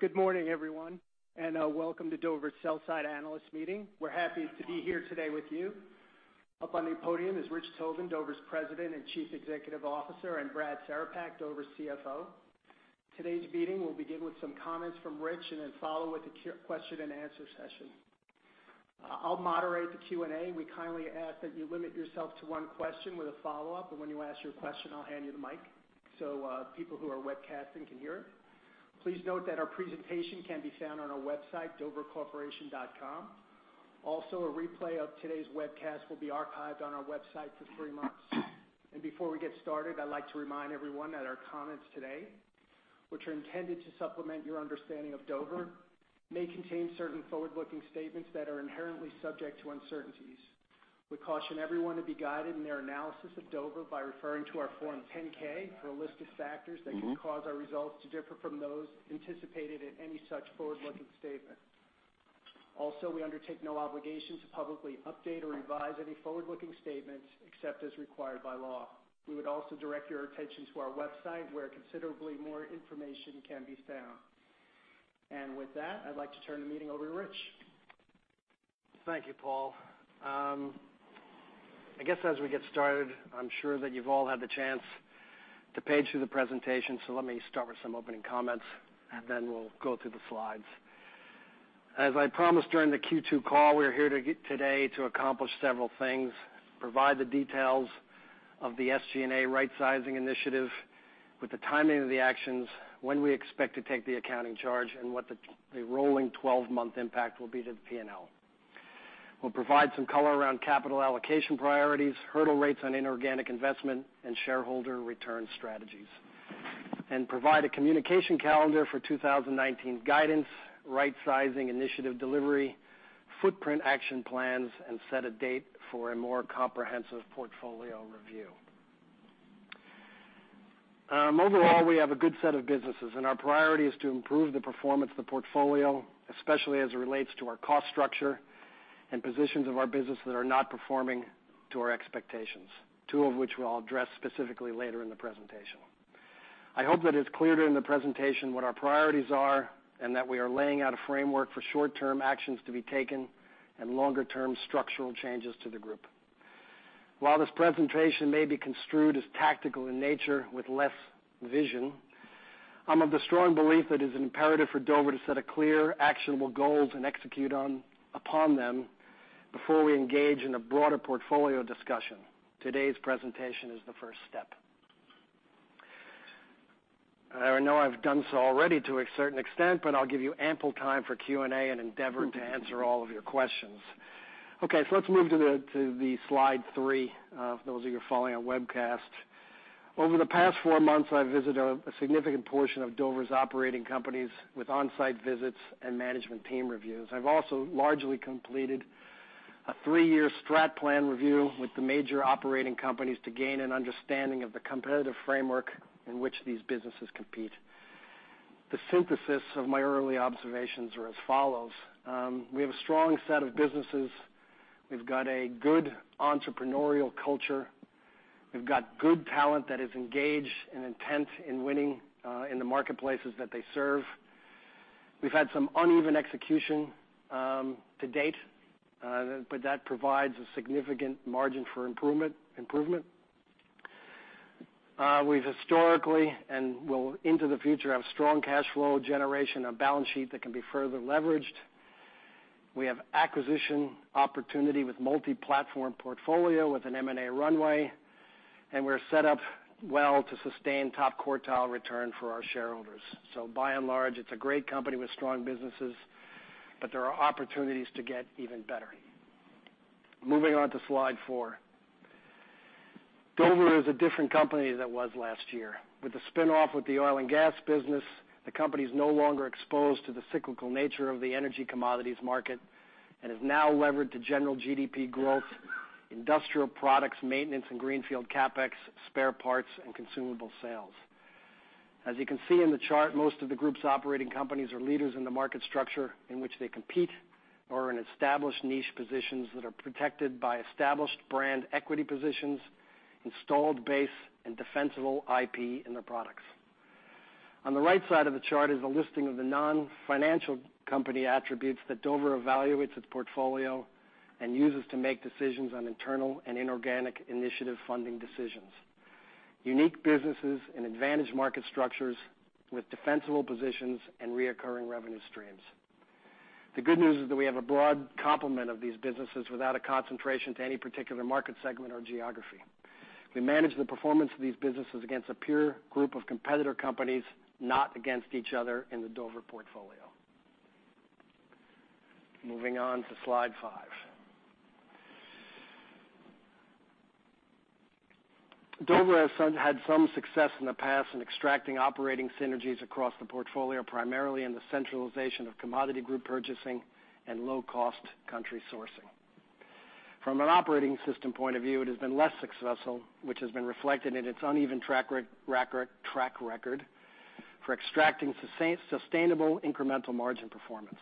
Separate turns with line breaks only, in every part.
Good morning, everyone, and welcome to Dover's Sell-Side Analyst Meeting. We're happy to be here today with you. Up on the podium is Rich Tobin, Dover's President and Chief Executive Officer, and Brad Cerepak, Dover's CFO. Today's meeting will begin with some comments from Rich, then follow with a question and answer session. I'll moderate the Q&A. We kindly ask that you limit yourself to one question with a follow-up. When you ask your question, I'll hand you the mic so people who are webcasting can hear. Please note that our presentation can be found on our website, dovercorporation.com. A replay of today's webcast will be archived on our website for three months. Before we get started, I'd like to remind everyone that our comments today, which are intended to supplement your understanding of Dover, may contain certain forward-looking statements that are inherently subject to uncertainties. We caution everyone to be guided in their analysis of Dover by referring to our Form 10-K for a list of factors that could cause our results to differ from those anticipated in any such forward-looking statement. We undertake no obligation to publicly update or revise any forward-looking statements, except as required by law. We would also direct your attention to our website, where considerably more information can be found. With that, I'd like to turn the meeting over to Rich.
Thank you, Paul. As we get started, I'm sure that you've all had the chance to page through the presentation, let me start with some opening comments, then we'll go through the slides. As I promised during the Q2 call, we are here today to accomplish several things, provide the details of the SG&A rightsizing initiative with the timing of the actions, when we expect to take the accounting charge, and what the rolling 12-month impact will be to the P&L. We'll provide some color around capital allocation priorities, hurdle rates on inorganic investment, and shareholder return strategies. Provide a communication calendar for 2019 guidance, rightsizing initiative delivery, footprint action plans, and set a date for a more comprehensive portfolio review. We have a good set of businesses, and our priority is to improve the performance of the portfolio, especially as it relates to our cost structure and positions of our business that are not performing to our expectations, two of which we'll address specifically later in the presentation. I hope that it's clear during the presentation what our priorities are, and that we are laying out a framework for short-term actions to be taken and longer-term structural changes to the group. While this presentation may be construed as tactical in nature with less vision, I'm of the strong belief that it is imperative for Dover to set clear, actionable goals and execute upon them before we engage in a broader portfolio discussion. Today's presentation is the first step. I know I've done so already to a certain extent, but I'll give you ample time for Q&A and endeavor to answer all of your questions. Okay. Let's move to slide three, for those of you following on webcast. Over the past four months, I've visited a significant portion of Dover's operating companies with on-site visits and management team reviews. I've also largely completed a three-year strat plan review with the major operating companies to gain an understanding of the competitive framework in which these businesses compete. The synthesis of my early observations are as follows. We have a strong set of businesses. We've got a good entrepreneurial culture. We've got good talent that is engaged and intent in winning in the marketplaces that they serve. We've had some uneven execution to date, but that provides a significant margin for improvement. We've historically, and will into the future, have strong cash flow generation, a balance sheet that can be further leveraged. We have acquisition opportunity with multi-platform portfolio with an M&A runway, and we're set up well to sustain top quartile return for our shareholders. By and large, it's a great company with strong businesses, but there are opportunities to get even better. Moving on to slide four. Dover is a different company than it was last year. With the spinoff with the oil and gas business, the company's no longer exposed to the cyclical nature of the energy commodities market and is now levered to general GDP growth, industrial products, maintenance and greenfield CapEx, spare parts, and consumable sales. As you can see in the chart, most of the group's operating companies are leaders in the market structure in which they compete or are in established niche positions that are protected by established brand equity positions, installed base, and defensible IP in their products. On the right side of the chart is a listing of the non-financial company attributes that Dover evaluates its portfolio and uses to make decisions on internal and inorganic initiative funding decisions. Unique businesses and advantage market structures with defensible positions and recurring revenue streams. The good news is that we have a broad complement of these businesses without a concentration to any particular market segment or geography. We manage the performance of these businesses against a peer group of competitor companies, not against each other in the Dover portfolio. Moving on to slide five. Dover has had some success in the past in extracting operating synergies across the portfolio, primarily in the centralization of commodity group purchasing and low-cost country sourcing. From an operating system point of view, it has been less successful, which has been reflected in its uneven track record for extracting sustainable incremental margin performance.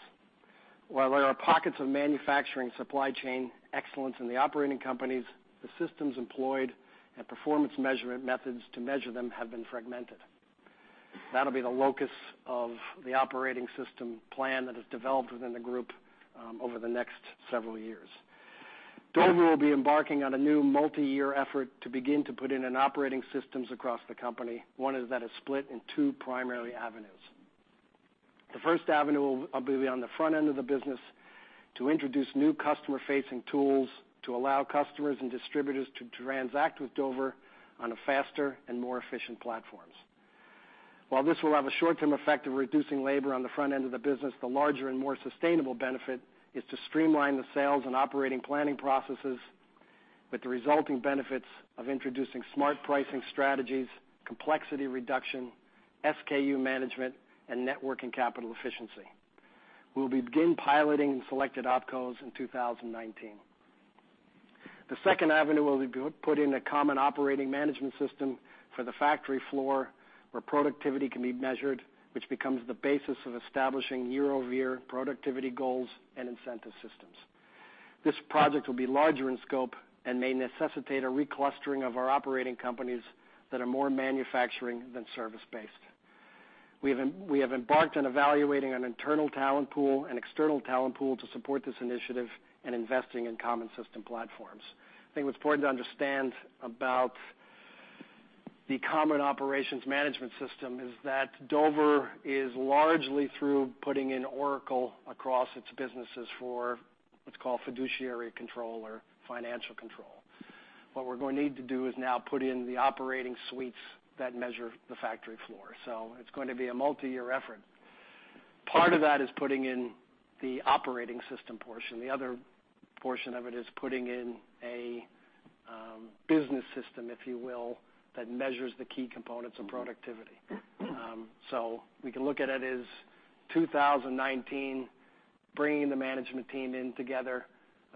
While there are pockets of manufacturing supply chain excellence in the operating companies, the systems employed and performance measurement methods to measure them have been fragmented. That'll be the locus of the operating system plan that has developed within the group over the next several years. Dover will be embarking on a new multi-year effort to begin to put in an operating systems across the company. One is that is split in two primary avenues. The first avenue will be on the front end of the business to introduce new customer-facing tools to allow customers and distributors to transact with Dover on a faster and more efficient platforms. While this will have a short-term effect of reducing labor on the front end of the business, the larger and more sustainable benefit is to streamline the sales and operating planning processes with the resulting benefits of introducing smart pricing strategies, complexity reduction, SKU management, and network and capital efficiency. We'll begin piloting in selected opcos in 2019. The second avenue will be put in a common operating management system for the factory floor, where productivity can be measured, which becomes the basis of establishing year-over-year productivity goals and incentive systems. This project will be larger in scope and may necessitate a reclustering of our operating companies that are more manufacturing than service based. We have embarked on evaluating an internal talent pool and external talent pool to support this initiative and investing in common system platforms. I think what's important to understand about the common operations management system is that Dover is largely through putting in Oracle across its businesses for what's called fiduciary control or financial control. What we're going to need to do is now put in the operating suites that measure the factory floor. It's going to be a multi-year effort. Part of that is putting in the operating system portion. The other portion of it is putting in a business system, if you will, that measures the key components of productivity. We can look at it as 2019, bringing the management team in together,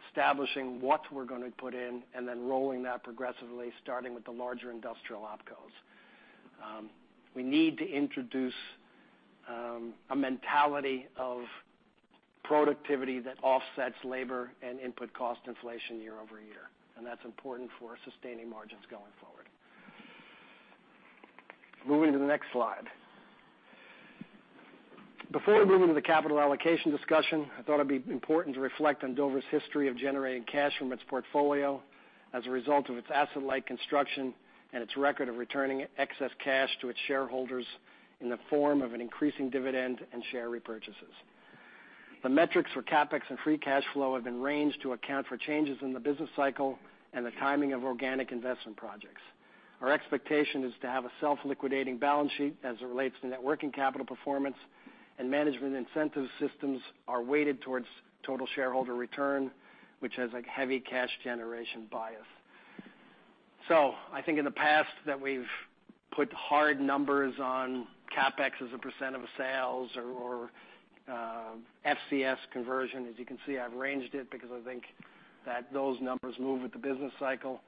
establishing what we're going to put in, and then rolling that progressively, starting with the larger industrial opcos. We need to introduce a mentality of productivity that offsets labor and input cost inflation year-over-year, and that's important for sustaining margins going forward. Moving to the next slide. Before we move into the capital allocation discussion, I thought it'd be important to reflect on Dover's history of generating cash from its portfolio as a result of its asset-light construction and its record of returning excess cash to its shareholders in the form of an increasing dividend and share repurchases. The metrics for CapEx and free cash flow have been ranged to account for changes in the business cycle and the timing of organic investment projects. Our expectation is to have a self-liquidating balance sheet as it relates to net working capital performance, and management incentive systems are weighted towards total shareholder return, which has a heavy cash generation bias. I think in the past that we've put hard numbers on CapEx as a percent of sales or FCF conversion. As you can see, I've ranged it because I think that those numbers move with the business cycle.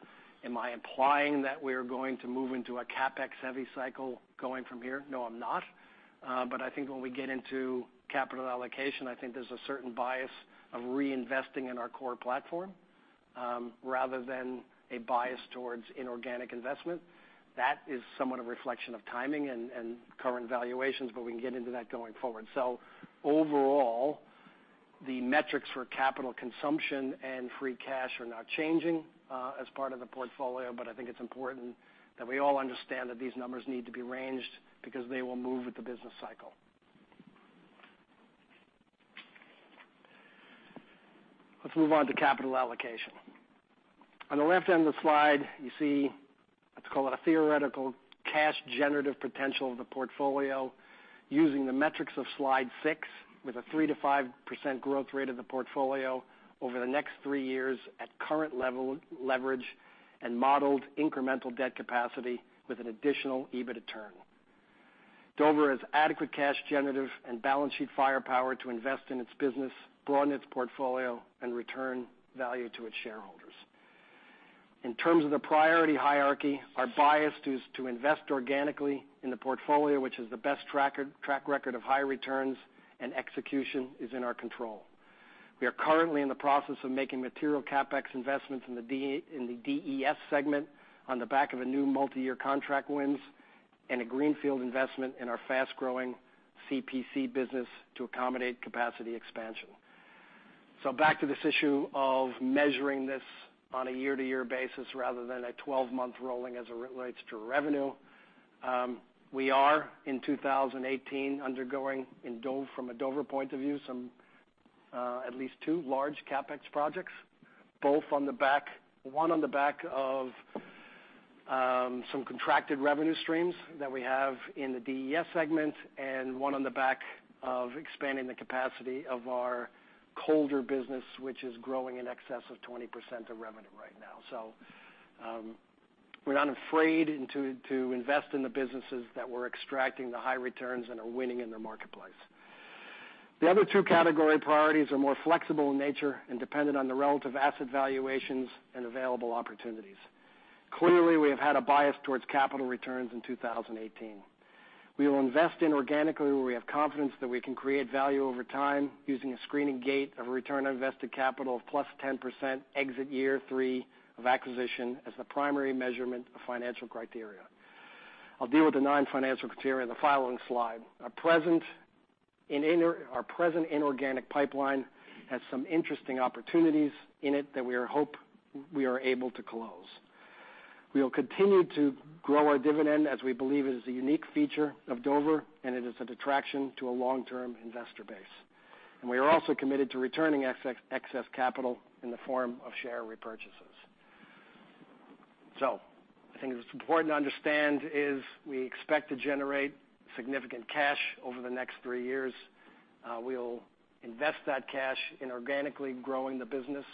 Am I implying that we're going to move into a CapEx-heavy cycle going from here? No, I'm not. I think when we get into capital allocation, I think there's a certain bias of reinvesting in our core platform, rather than a bias towards inorganic investment. That is somewhat a reflection of timing and current valuations, we can get into that going forward. Overall, the metrics for capital consumption and free cash are now changing as part of the portfolio, but I think it's important that we all understand that these numbers need to be ranged because they will move with the business cycle. Let's move on to capital allocation. On the left end of the slide, you see, let's call it a theoretical cash generative potential of the portfolio using the metrics of Slide 6 with a 3%-5% growth rate of the portfolio over the next three years at current leverage and modeled incremental debt capacity with an additional EBITDA turn. Dover has adequate cash generative and balance sheet firepower to invest in its business, grow on its portfolio, and return value to its shareholders. In terms of the priority hierarchy, our bias is to invest organically in the portfolio, which has the best track record of high returns and execution is in our control. We are currently in the process of making material CapEx investments in the DES segment on the back of a new multi-year contract wins and a greenfield investment in our fast-growing CPC business to accommodate capacity expansion. Back to this issue of measuring this on a year-to-year basis rather than a 12-month rolling as it relates to revenue. We are in 2018, undergoing from a Dover point of view, at least two large CapEx projects, one on the back of some contracted revenue streams that we have in the DES segment and one on the back of expanding the capacity of our Colder business, which is growing in excess of 20% of revenue right now. We're not afraid to invest in the businesses that we're extracting the high returns and are winning in their marketplace. The other two category priorities are more flexible in nature and dependent on the relative asset valuations and available opportunities. Clearly, we have had a bias towards capital returns in 2018. We will invest in organically where we have confidence that we can create value over time using a screening gate of a return on invested capital of +10% exit year three of acquisition as the primary measurement of financial criteria. I'll deal with the non-financial criteria in the following slide. Our present inorganic pipeline has some interesting opportunities in it that we hope we are able to close. We will continue to grow our dividend, as we believe it is a unique feature of Dover, and it is an attraction to a long-term investor base. We are also committed to returning excess capital in the form of share repurchases. I think it's important to understand is we expect to generate significant cash over the next three years. We'll invest that cash in organically growing the business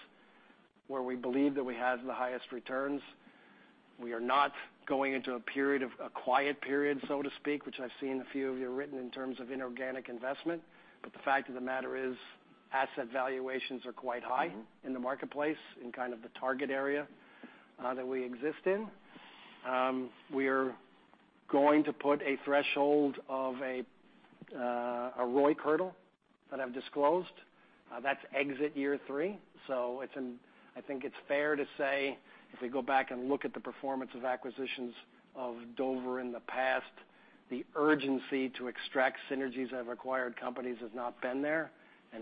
where we believe that we have the highest returns. We are not going into a quiet period, so to speak, which I've seen a few of you have written in terms of inorganic investment. But the fact of the matter is, asset valuations are quite high in the marketplace, in kind of the target area that we exist in. We're going to put a threshold of a ROI hurdle that I've disclosed. That's exit year three. I think it's fair to say, if we go back and look at the performance of acquisitions of Dover in the past, the urgency to extract synergies of acquired companies has not been there.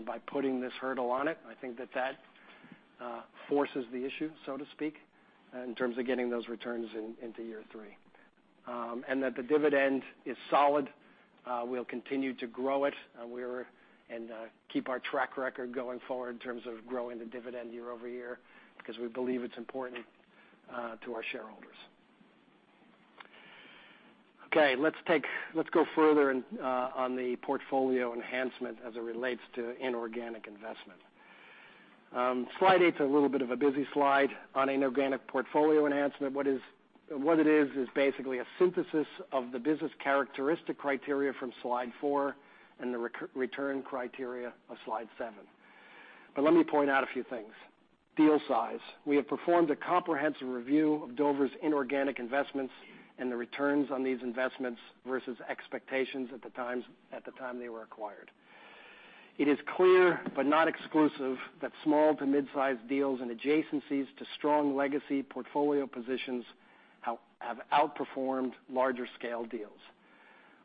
By putting this hurdle on it, I think that that forces the issue, so to speak, in terms of getting those returns into year three. The dividend is solid. We'll continue to grow it and keep our track record going forward in terms of growing the dividend year-over-year, because we believe it's important to our shareholders. Okay. Let's go further on the portfolio enhancement as it relates to inorganic investment. Slide eight's a little bit of a busy slide on inorganic portfolio enhancement. What it is basically a synthesis of the business characteristic criteria from slide four and the return criteria of slide seven. Let me point out a few things. Deal size. We have performed a comprehensive review of Dover's inorganic investments and the returns on these investments versus expectations at the time they were acquired. It is clear, but not exclusive, that small to mid-size deals and adjacencies to strong legacy portfolio positions have outperformed larger scale deals.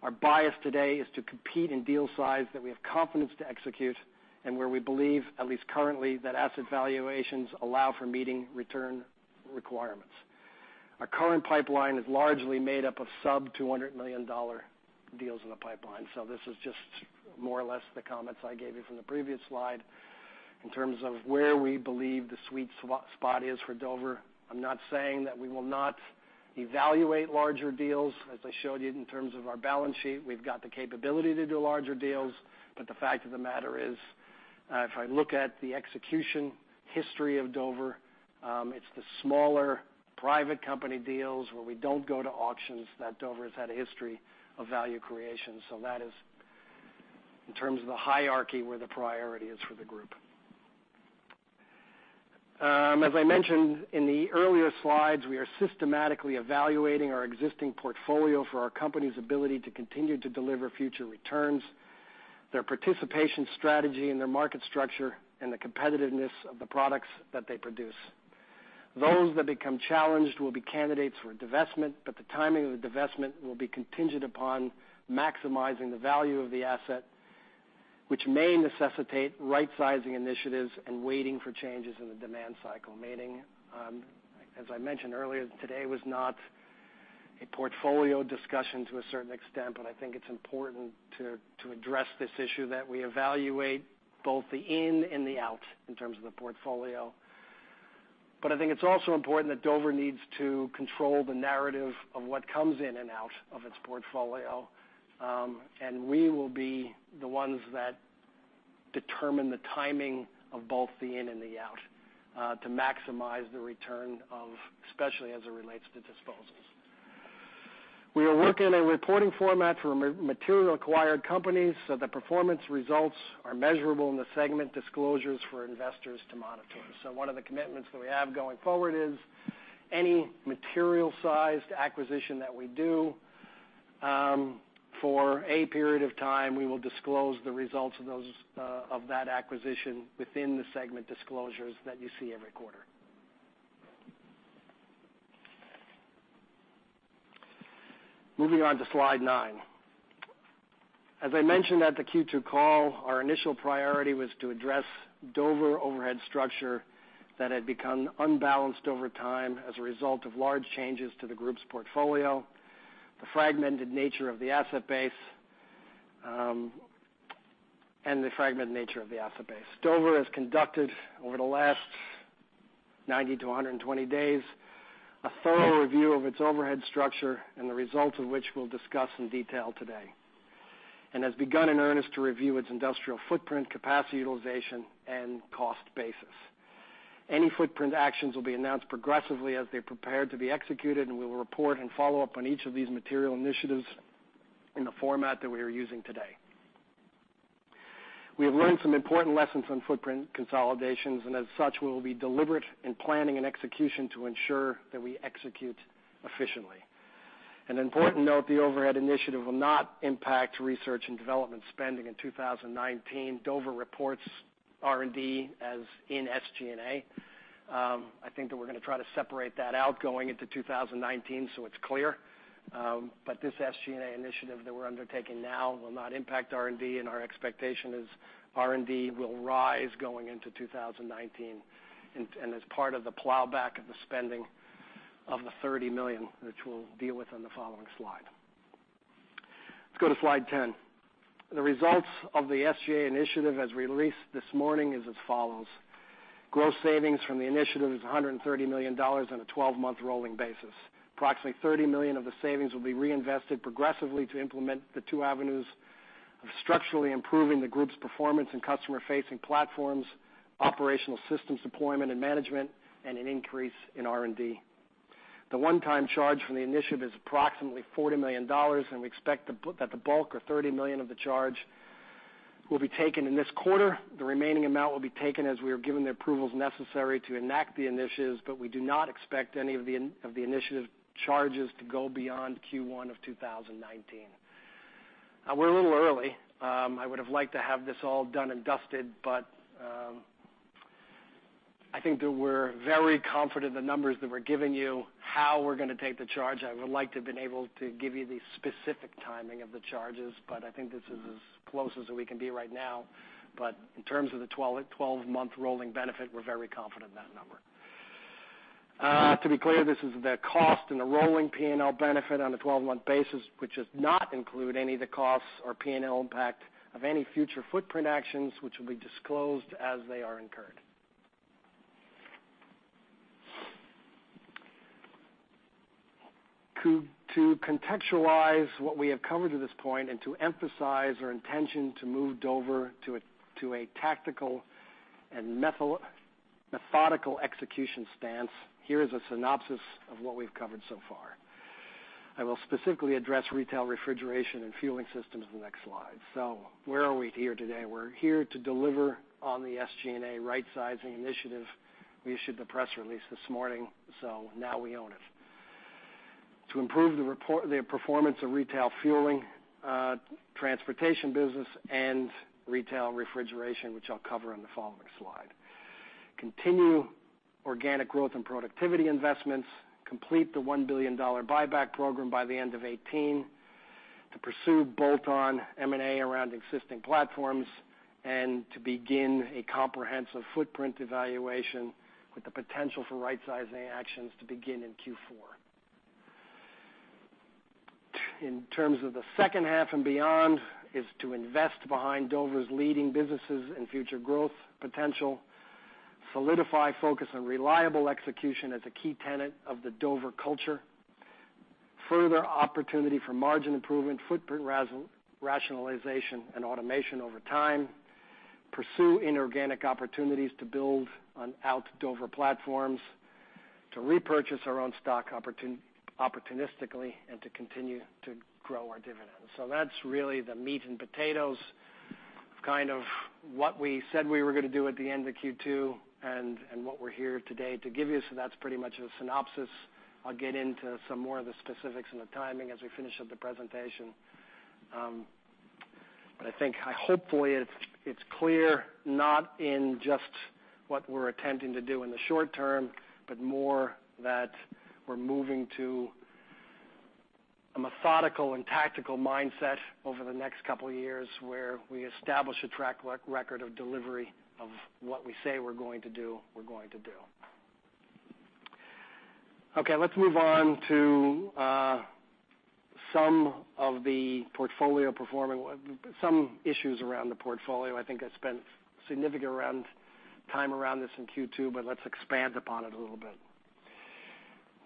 Our bias today is to compete in deal size that we have confidence to execute and where we believe, at least currently, that asset valuations allow for meeting return requirements. Our current pipeline is largely made up of sub-$200 million deals in the pipeline. This is just more or less the comments I gave you from the previous slide in terms of where we believe the sweet spot is for Dover. I'm not saying that we will not evaluate larger deals. As I showed you in terms of our balance sheet, we've got the capability to do larger deals. The fact of the matter is, if I look at the execution history of Dover, it's the smaller private company deals where we don't go to auctions that Dover has had a history of value creation. That is, in terms of the hierarchy, where the priority is for the group. As I mentioned in the earlier slides, we are systematically evaluating our existing portfolio for our company's ability to continue to deliver future returns, their participation strategy and their market structure, and the competitiveness of the products that they produce. Those that become challenged will be candidates for divestment, but the timing of the divestment will be contingent upon maximizing the value of the asset, which may necessitate rightsizing initiatives and waiting for changes in the demand cycle. Meaning, as I mentioned earlier, today was not a portfolio discussion to a certain extent, but I think it's important to address this issue that we evaluate both the in and the out in terms of the portfolio. I think it's also important that Dover needs to control the narrative of what comes in and out of its portfolio, and we will be the ones that determine the timing of both the in and the out to maximize the return, especially as it relates to disposals. We are working a reporting format for material acquired companies so the performance results are measurable in the segment disclosures for investors to monitor. One of the commitments that we have going forward is any material-sized acquisition that we do, for a period of time, we will disclose the results of that acquisition within the segment disclosures that you see every quarter. Moving on to slide nine. As I mentioned at the Q2 call, our initial priority was to address Dover overhead structure that had become unbalanced over time as a result of large changes to the group's portfolio, the fragmented nature of the asset base. Dover has conducted, over the last 90-120 days, a thorough review of its overhead structure, the results of which we will discuss in detail today, and has begun in earnest to review its industrial footprint, capacity utilization, and cost basis. Any footprint actions will be announced progressively as they prepare to be executed, we will report and follow up on each of these material initiatives in the format that we are using today. We have learned some important lessons on footprint consolidations, as such, we will be deliberate in planning and execution to ensure that we execute efficiently. An important note, the overhead initiative will not impact research and development spending in 2019. Dover reports R&D as in SG&A. I think that we are going to try to separate that out going into 2019 so it is clear. This SG&A initiative that we are undertaking now will not impact R&D, and our expectation is R&D will rise going into 2019, and as part of the plowback of the spending of the $30 million, which we will deal with on the following slide. Let's go to slide 10. The results of the SG&A initiative, as released this morning, is as follows. Gross savings from the initiative is $130 million on a 12-month rolling basis. Approximately $30 million of the savings will be reinvested progressively to implement the two avenues of structurally improving the group's performance in customer-facing platforms, operational systems deployment and management, and an increase in R&D. The one-time charge from the initiative is approximately $40 million, and we expect that the bulk, or $30 million of the charge, will be taken in this quarter. The remaining amount will be taken as we are given the approvals necessary to enact the initiatives, but we do not expect any of the initiative charges to go beyond Q1 of 2019. We are a little early. I would have liked to have this all done and dusted, I think that we are very confident the numbers that we are giving you, how we are going to take the charge. I would like to have been able to give you the specific timing of the charges, I think this is as close as we can be right now. In terms of the 12-month rolling benefit, we are very confident in that number. To be clear, this is the cost and the rolling P&L benefit on a 12-month basis, which does not include any of the costs or P&L impact of any future footprint actions, which will be disclosed as they are incurred. To contextualize what we have covered to this point and to emphasize our intention to move Dover to a tactical and methodical execution stance, here is a synopsis of what we have covered so far. I will specifically address retail refrigeration and fueling systems in the next slide. Where are we here today? We're here to deliver on the SG&A rightsizing initiative. We issued the press release this morning, now we own it. To improve the performance of retail fueling transportation business and retail refrigeration, which I'll cover on the following slide. Continue organic growth and productivity investments. Complete the $1 billion buyback program by the end of 2018. To pursue bolt-on M&A around existing platforms, and to begin a comprehensive footprint evaluation with the potential for rightsizing actions to begin in Q4. In terms of the second half and beyond, is to invest behind Dover's leading businesses and future growth potential. Solidify focus on reliable execution as a key tenet of the Dover culture. Further opportunity for margin improvement, footprint rationalization, and automation over time. Pursue inorganic opportunities to build on out Dover platforms. To repurchase our own stock opportunistically and to continue to grow our dividends. That's really the meat and potatoes of what we said we were going to do at the end of Q2, and what we're here today to give you, so that's pretty much a synopsis. I'll get into some more of the specifics and the timing as we finish up the presentation. I think, hopefully, it's clear, not in just what we're attempting to do in the short term, but more that we're moving to a methodical and tactical mindset over the next couple of years, where we establish a track record of delivery of what we say we're going to do, we're going to do. Okay. Let's move on to some issues around the portfolio. I think I spent significant time around this in Q2, let's expand upon it a little bit.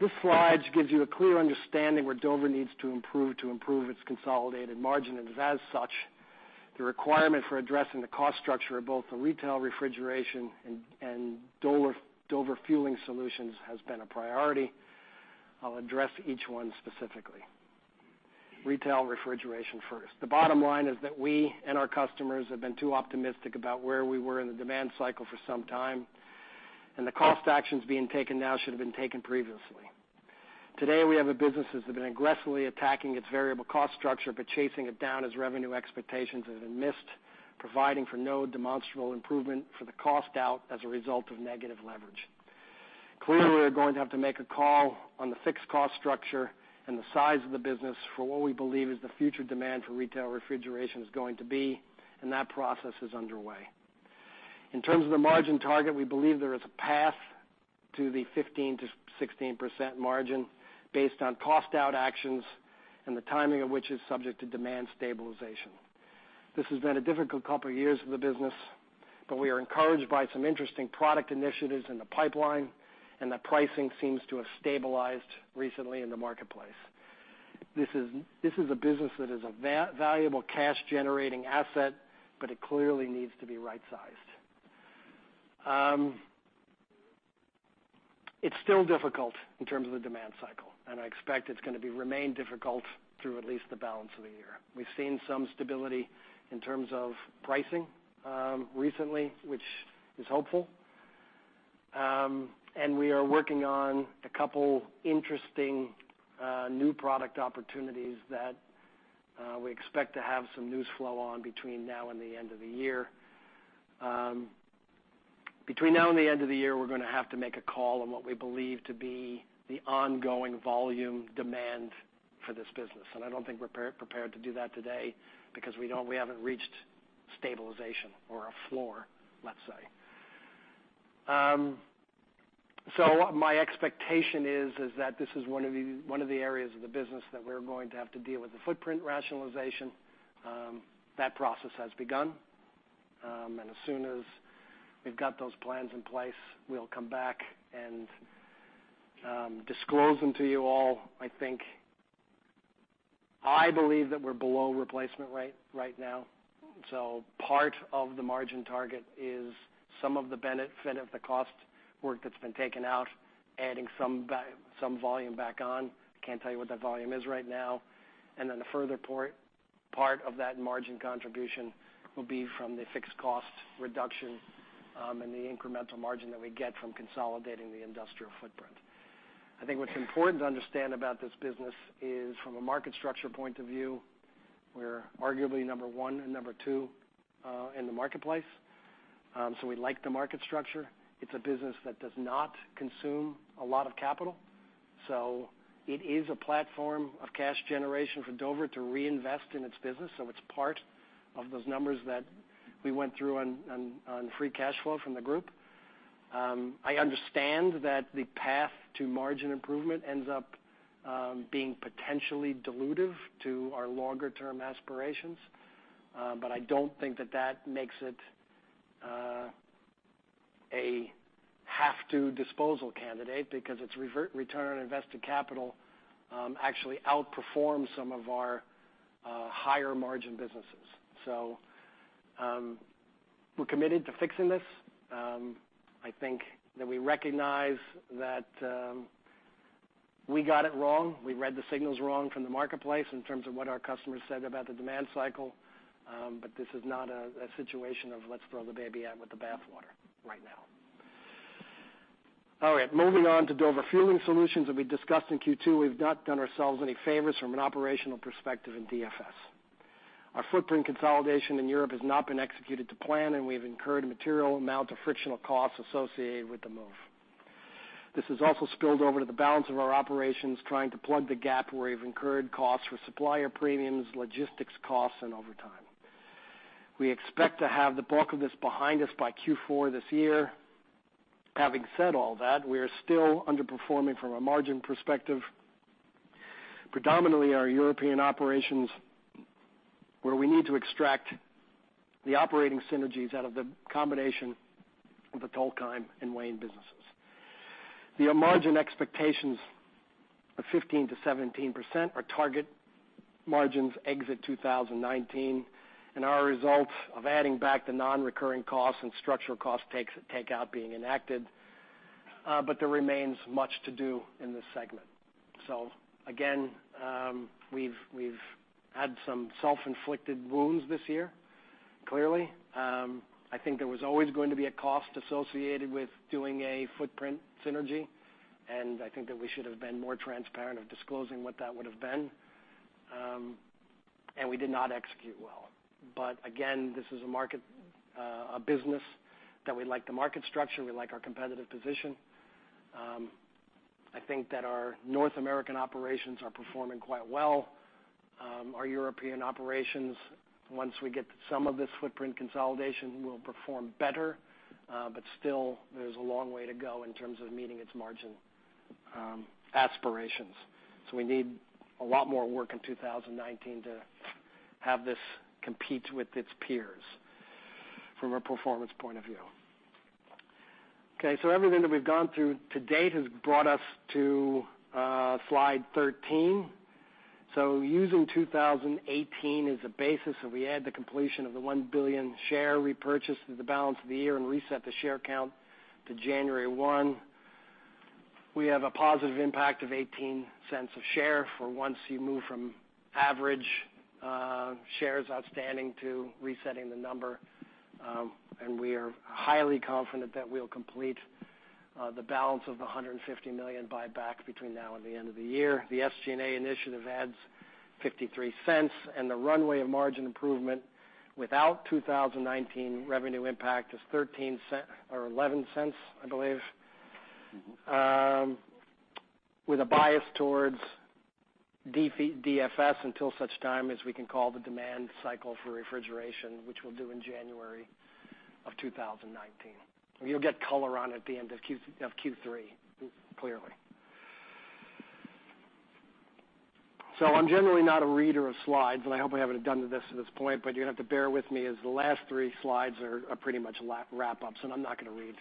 This slide gives you a clear understanding where Dover needs to improve to improve its consolidated margin, and as such, the requirement for addressing the cost structure of both the retail refrigeration and Dover Fueling Solutions has been a priority. I'll address each one specifically. Retail refrigeration first. The bottom line is that we and our customers have been too optimistic about where we were in the demand cycle for some time, and the cost actions being taken now should've been taken previously. Today, we have businesses that have been aggressively attacking its variable cost structure, but chasing it down as revenue expectations have been missed, providing for no demonstrable improvement for the cost out as a result of negative leverage. Clearly, we're going to have to make a call on the fixed cost structure and the size of the business for what we believe is the future demand for retail refrigeration is going to be, and that process is underway. In terms of the margin target, we believe there is a path to the 15%-16% margin based on cost out actions and the timing of which is subject to demand stabilization. This has been a difficult couple of years for the business, but we are encouraged by some interesting product initiatives in the pipeline, and that pricing seems to have stabilized recently in the marketplace. This is a business that is a valuable cash-generating asset, but it clearly needs to be right-sized. It's still difficult in terms of the demand cycle, and I expect it's going to remain difficult through at least the balance of the year. We've seen some stability in terms of pricing recently, which is hopeful. We are working on a couple interesting new product opportunities that we expect to have some news flow on between now and the end of the year. Between now and the end of the year, we're going to have to make a call on what we believe to be the ongoing volume demand for this business. I don't think we're prepared to do that today because we haven't reached stabilization or a floor, let's say. What my expectation is that this is one of the areas of the business that we're going to have to deal with the footprint rationalization. That process has begun. As soon as we've got those plans in place, we'll come back and disclose them to you all, I think. I believe that we're below replacement rate right now. Part of the margin target is some of the benefit of the cost work that's been taken out, adding some volume back on. I can't tell you what that volume is right now. The further part of that margin contribution will be from the fixed cost reduction and the incremental margin that we get from consolidating the industrial footprint. I think what's important to understand about this business is from a market structure point of view, we're arguably number 1 and number 2 in the marketplace. We like the market structure. It's a business that does not consume a lot of capital. It is a platform of cash generation for Dover to reinvest in its business. It's part of those numbers that we went through on free cash flow from the group. I understand that the path to margin improvement ends up being potentially dilutive to our longer-term aspirations. I don't think that that makes it a have-to disposal candidate because its return on invested capital actually outperforms some of our higher margin businesses. We're committed to fixing this. I think that we recognize that we got it wrong. We read the signals wrong from the marketplace in terms of what our customers said about the demand cycle. This is not a situation of let's throw the baby out with the bathwater right now. All right, moving on to Dover Fueling Solutions that we discussed in Q2. We've not done ourselves any favors from an operational perspective in DFS. Our footprint consolidation in Europe has not been executed to plan, we've incurred a material amount of frictional costs associated with the move. This has also spilled over to the balance of our operations, trying to plug the gap where we've incurred costs for supplier premiums, logistics costs, and overtime. We expect to have the bulk of this behind us by Q4 this year. Having said all that, we are still underperforming from a margin perspective, predominantly our European operations, where we need to extract the operating synergies out of the combination of the Tokheim and Wayne businesses. The margin expectations of 15%-17% are target margins exit 2019, our results of adding back the non-recurring costs and structural cost takeout being enacted, there remains much to do in this segment. Again, we've had some self-inflicted wounds this year, clearly. I think there was always going to be a cost associated with doing a footprint synergy, and I think that we should have been more transparent of disclosing what that would have been. We did not execute well. Again, this is a business that we like the market structure. We like our competitive position. I think that our North American operations are performing quite well. Our European operations, once we get some of this footprint consolidation, will perform better. Still, there's a long way to go in terms of meeting its margin aspirations. We need a lot more work in 2019 to have this compete with its peers from a performance point of view. Everything that we've gone through to date has brought us to slide 13. Using 2018 as a basis, if we add the completion of the $1 billion share repurchase to the balance of the year and reset the share count to January 1, we have a positive impact of $0.18 a share for once you move from average shares outstanding to resetting the number. We are highly confident that we'll complete the balance of the $150 million buyback between now and the end of the year. The SG&A initiative adds $0.53, and the runway of margin improvement without 2019 revenue impact is $0.11, I believe, with a bias towards DFS until such time as we can call the demand cycle for refrigeration, which we'll do in January of 2019. You'll get color on it at the end of Q3, clearly. I'm generally not a reader of slides, and I hope I haven't done this to this point, but you have to bear with me as the last three slides are pretty much wrap-ups, and I'm not going to read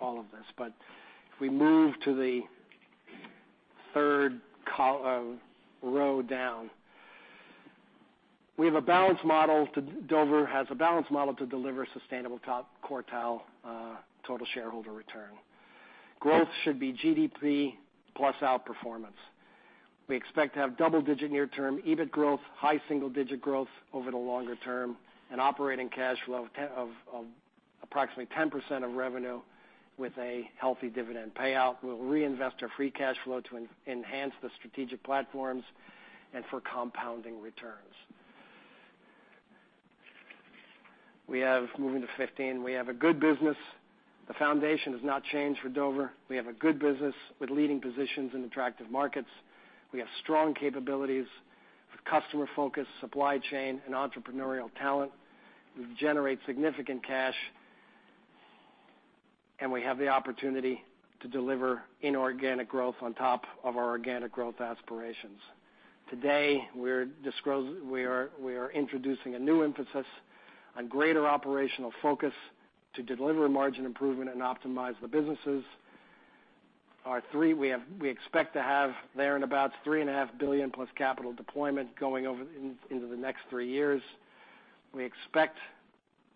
all of this. If we move to the third row down, we have a balanced model. Dover has a balanced model to deliver sustainable top quartile total shareholder return. Growth should be GDP plus outperformance. We expect to have double-digit near-term EBIT growth, high single-digit growth over the longer term, and operating cash flow of approximately 10% of revenue with a healthy dividend payout. We'll reinvest our free cash flow to enhance the strategic platforms and for compounding returns. Moving to 15. We have a good business. The foundation has not changed for Dover. We have a good business with leading positions in attractive markets. We have strong capabilities with customer focus, supply chain, and entrepreneurial talent. We generate significant cash, and we have the opportunity to deliver inorganic growth on top of our organic growth aspirations. Today, we are introducing a new emphasis on greater operational focus to deliver margin improvement and optimize the businesses. We expect to have there and about $3.5 billion plus capital deployment going into the next three years. We expect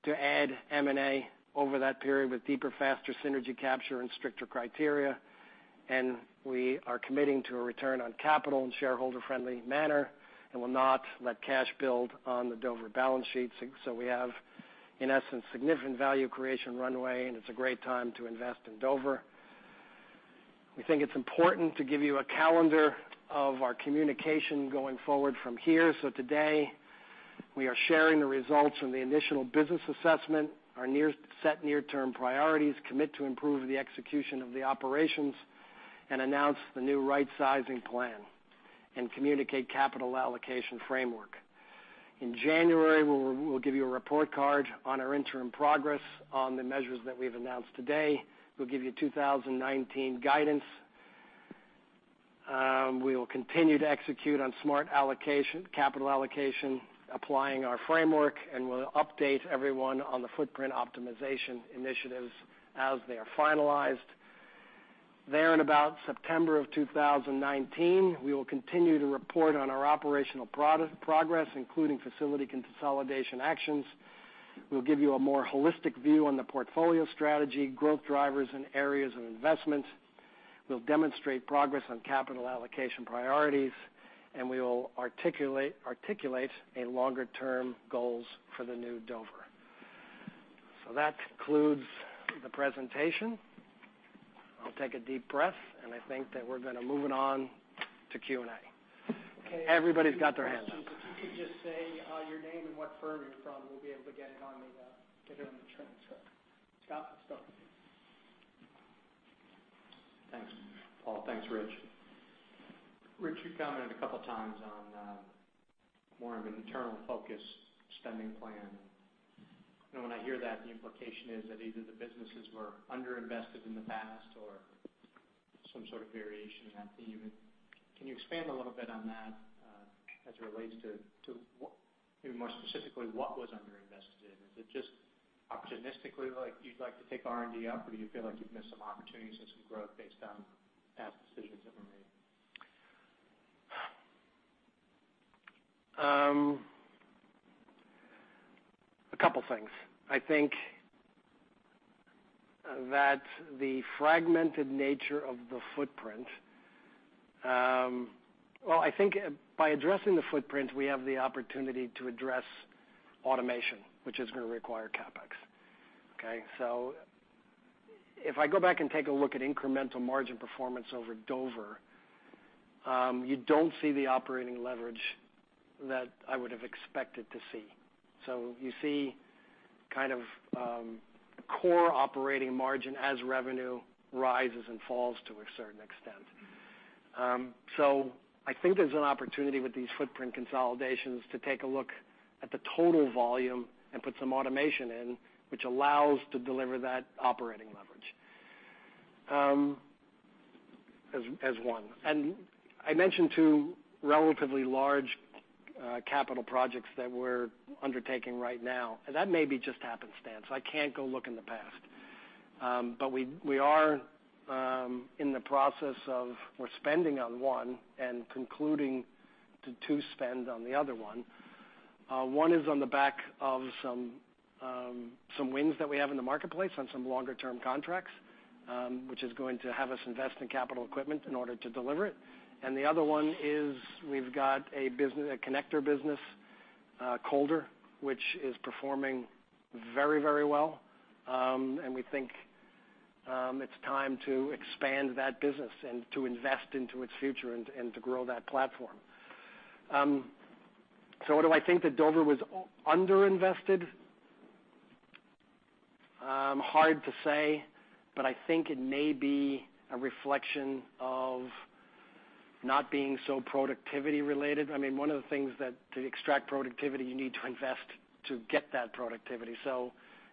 to add M&A over that period with deeper, faster synergy capture and stricter criteria. We are committing to a return on capital in a shareholder-friendly manner, and will not let cash build on the Dover balance sheets. We have, in essence, significant value creation runway, and it's a great time to invest in Dover. We think it's important to give you a calendar of our communication going forward from here. Today, we are sharing the results from the initial business assessment, our set near-term priorities, commit to improve the execution of the operations, announce the new rightsizing plan, communicate capital allocation framework. In January, we'll give you a report card on our interim progress on the measures that we've announced today. We'll give you 2019 guidance. We will continue to execute on smart capital allocation, applying our framework, and we'll update everyone on the footprint optimization initiatives as they are finalized. There and about September of 2019, we will continue to report on our operational progress, including facility consolidation actions. We'll give you a more holistic view on the portfolio strategy, growth drivers and areas of investment. We'll demonstrate progress on capital allocation priorities, and we will articulate a longer-term goals for the new Dover. That concludes the presentation. I'll take a deep breath, I think that we're going to move it on to Q&A. Everybody's got their hands up.
If you could just say your name and what firm you're from, we'll be able to get it on the transcript. Scott, let's go.
Thanks, Paul. Thanks, Rich. Rich, you commented a couple of times on more of an internal focus spending plan. When I hear that, the implication is that either the businesses were under-invested in the past or some sort of variation on that theme. Can you expand a little bit on that as it relates to, maybe more specifically, what was under-invested in? Is it just opportunistically, like you'd like to take R&D up, or do you feel like you've missed some opportunities and some growth based on past decisions that were made?
A couple things. I think that the fragmented nature of the footprint. I think by addressing the footprint, we have the opportunity to address automation, which is going to require CapEx. Okay? If I go back and take a look at incremental margin performance over Dover, you don't see the operating leverage that I would have expected to see. You see kind of core operating margin as revenue rises and falls to a certain extent. I think there's an opportunity with these footprint consolidations to take a look at the total volume and put some automation in, which allows to deliver that operating leverage, as one. I mentioned two relatively large capital projects that we're undertaking right now. That may be just happenstance. I can't go look in the past. We are in the process of spending on one and concluding to spend on the other one. One is on the back of some wins that we have in the marketplace on some longer-term contracts, which is going to have us invest in capital equipment in order to deliver it. The other one is we've got a connector business, Colder, which is performing very well, and we think it's time to expand that business and to invest into its future and to grow that platform. Do I think that Dover was under-invested? Hard to say, but I think it may be a reflection of not being so productivity related. One of the things that to extract productivity, you need to invest to get that productivity.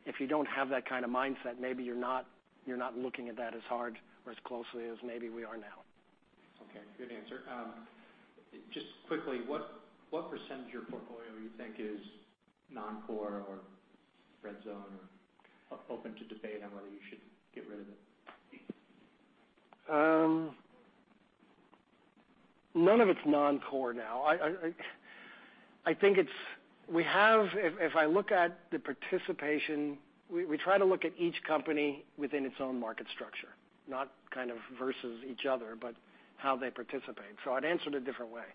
If you don't have that kind of mindset, maybe you're not looking at that as hard or as closely as maybe we are now.
Okay, good answer. Just quickly, what % of your portfolio you think is non-core or red zone or open to debate on whether you should get rid of it?
None of it's non-core now. If I look at the participation, we try to look at each company within its own market structure, not kind of versus each other, but how they participate. I'd answer it a different way.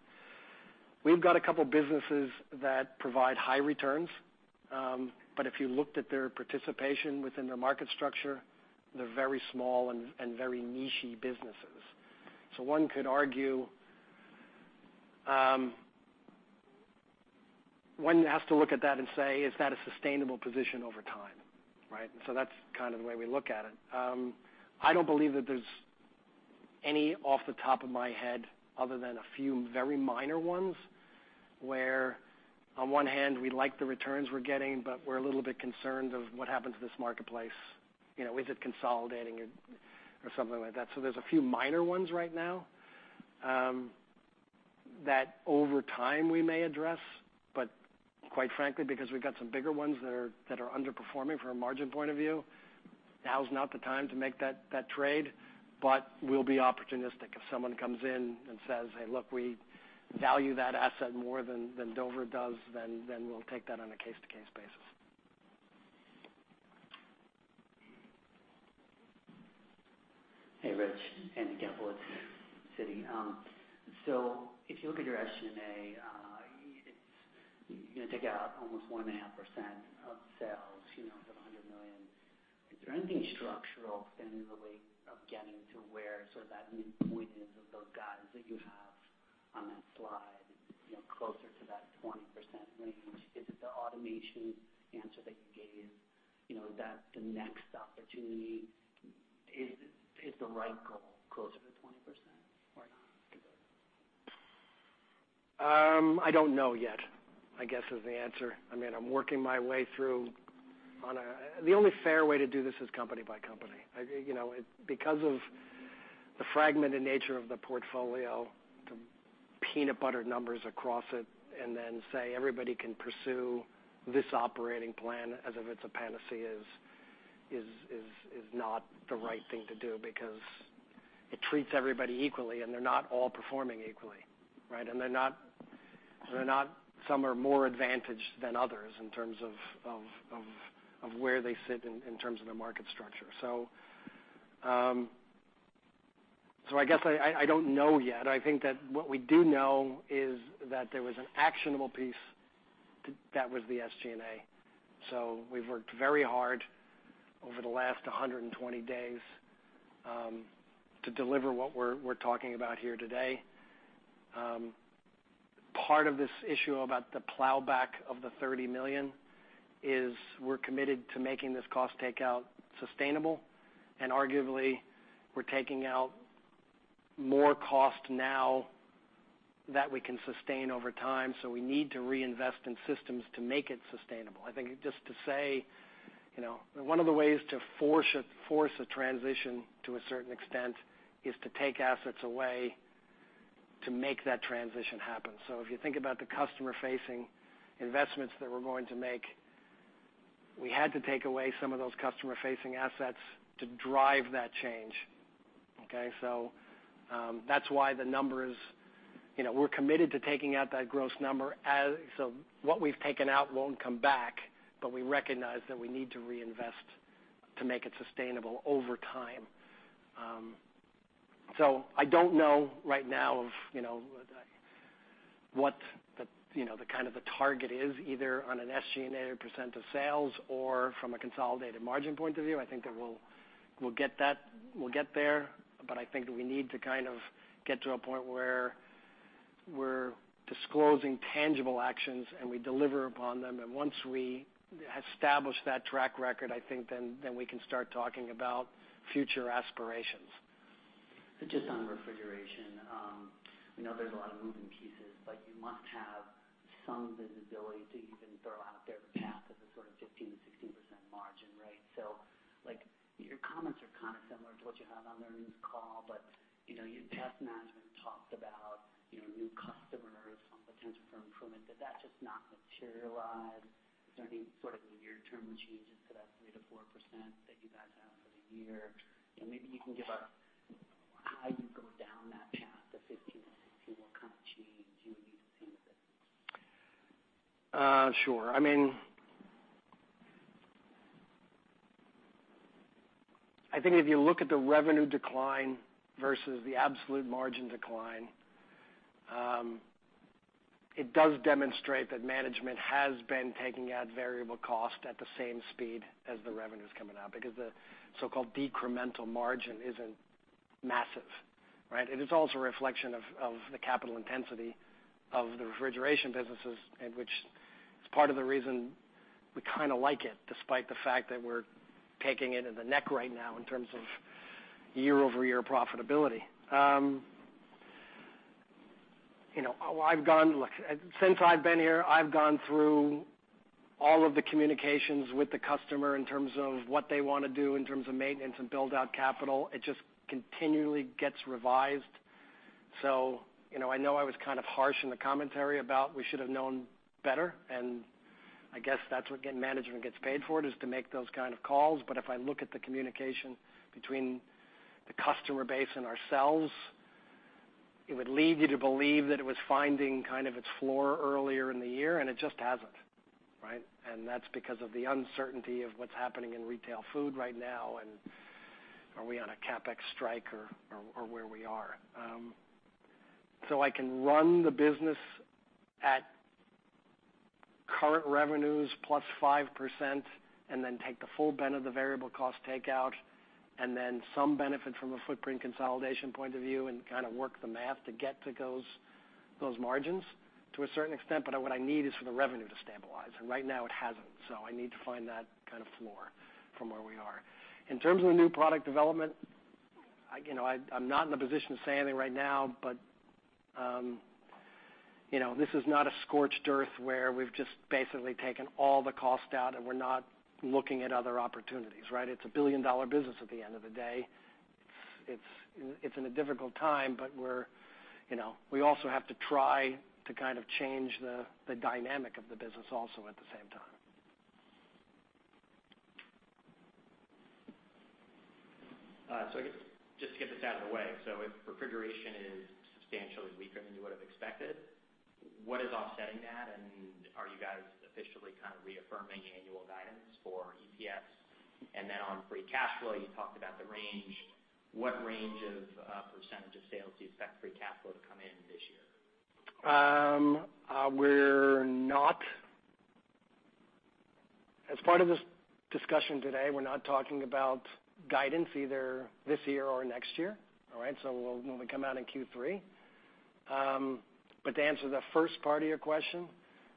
We've got a couple of businesses that provide high returns. If you looked at their participation within their market structure, they're very small and very niche-y businesses. One could argue, one has to look at that and say, "Is that a sustainable position over time?" Right? That's kind of the way we look at it. I don't believe that there's any off the top of my head, other than a few very minor ones, where on one hand we like the returns we're getting, but we're a little bit concerned of what happens to this marketplace. Is it consolidating or something like that? There's a few minor ones right now, that over time we may address. Quite frankly, because we've got some bigger ones that are underperforming from a margin point of view, now's not the time to make that trade. We'll be opportunistic. If someone comes in and says, "Hey, look, we value that asset more than Dover does," then we'll take that on a case-to-case basis.
Hey, Rich. Andrew Kaplowitz, Citi. If you look at your SG&A, you're going to take out almost 1.5% of sales, of $100 million. Is there anything structural standing in the way of getting to where sort of that midpoint is of those guides that you have on that slide, closer to that 20% range? Is it the automation answer that you gave? Is that the next opportunity? Is the right goal closer to 20% or not?
I don't know yet, I guess is the answer. I'm working my way through. The only fair way to do this is company by company. Because of the fragmented nature of the portfolio, to peanut butter numbers across it, and then say everybody can pursue this operating plan as if it's a panacea is not the right thing to do because it treats everybody equally, and they're not all performing equally. Right? They're not, some are more advantaged than others in terms of where they sit in terms of their market structure. I guess I don't know yet. I think that what we do know is that there was an actionable piece, that was the SG&A. We've worked very hard over the last 120 days to deliver what we're talking about here today. Part of this issue about the plowback of the $30 million is we're committed to making this cost takeout sustainable, arguably, we're taking out more cost now that we can sustain over time. We need to reinvest in systems to make it sustainable. I think just to say, one of the ways to force a transition to a certain extent is to take assets away to make that transition happen. If you think about the customer-facing investments that we're going to make, we had to take away some of those customer-facing assets to drive that change. Okay. That's why the numbers, we're committed to taking out that gross number. What we've taken out won't come back, but we recognize that we need to reinvest to make it sustainable over time. I don't know right now of what the kind of the target is, either on an SG&A % of sales or from a consolidated margin point of view. I think that we'll get there, but I think we need to kind of get to a point where we're disclosing tangible actions, and we deliver upon them. Once we establish that track record, I think then we can start talking about future aspirations.
Just on refrigeration. We know there's a lot of moving pieces, but you must have some visibility to even throw out there the path of the sort of 15%-16% margin, right. Your comments are kind of similar to what you had on the earnings call, but your past management talked about new customers, some potential for improvement. Did that just not materialize? Is there any sort of near-term changes to that 3%-4% that you guys have for the year? Maybe you can give us how you go down that path to 15% and 16%. What kind of change you would need to see in the business?
Sure. I think if you look at the revenue decline versus the absolute margin decline, it does demonstrate that management has been taking out variable cost at the same speed as the revenue's coming out, because the so-called decremental margin isn't massive. Right. It's also a reflection of the capital intensity of the refrigeration businesses, which is part of the reason we kind of like it, despite the fact that we're taking it in the neck right now in terms of year-over-year profitability. Since I've been here, I've gone through all of the communications with the customer in terms of what they want to do in terms of maintenance and build-out capital. It just continually gets revised. I know I was kind of harsh in the commentary about we should've known better, I guess that's what management gets paid for, is to make those kind of calls. If I look at the communication between the customer base and ourselves, it would lead you to believe that it was finding its floor earlier in the year, it just hasn't. That's because of the uncertainty of what's happening in retail food right now, are we on a CapEx strike or where we are. I can run the business at current revenues plus 5%, then take the full bend of the variable cost takeout, then some benefit from a footprint consolidation point of view and kind of work the math to get to those margins to a certain extent. What I need is for the revenue to stabilize, right now it hasn't. I need to find that kind of floor from where we are. In terms of the new product development, I'm not in a position to say anything right now, this is not a scorched earth where we've just basically taken all the cost out and we're not looking at other opportunities. It's a billion-dollar business at the end of the day. It's in a difficult time, we also have to try to kind of change the dynamic of the business also at the same time.
I guess, just to get this out of the way. If refrigeration is substantially weaker than you would've expected, what is offsetting that, are you guys officially kind of reaffirming annual guidance for EPS? On free cash flow, you talked about the range. What range of percentage of sales do you expect free cash flow to come in this year?
As part of this discussion today, we're not talking about guidance either this year or next year. We'll come out in Q3. To answer the first part of your question,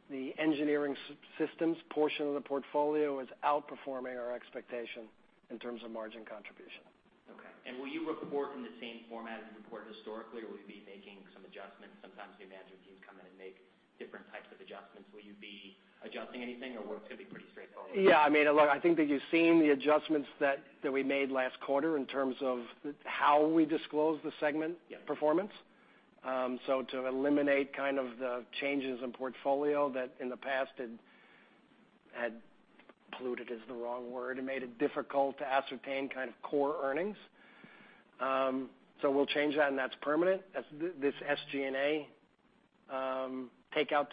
the engineering systems portion of the portfolio is outperforming our expectation in terms of margin contribution.
Okay. Will you report in the same format as you've reported historically, or will you be making some adjustments? Sometimes new management teams come in and make different types of adjustments. Will you be adjusting anything, or it's going to be pretty straightforward? Yeah. I think that you've seen the adjustments that we made last quarter in terms of how we disclose the segment- Yeah
performance. To eliminate kind of the changes in portfolio that in the past had, polluted is the wrong word, it made it difficult to ascertain kind of core earnings. We'll change that, and that's permanent. This SG&A takeout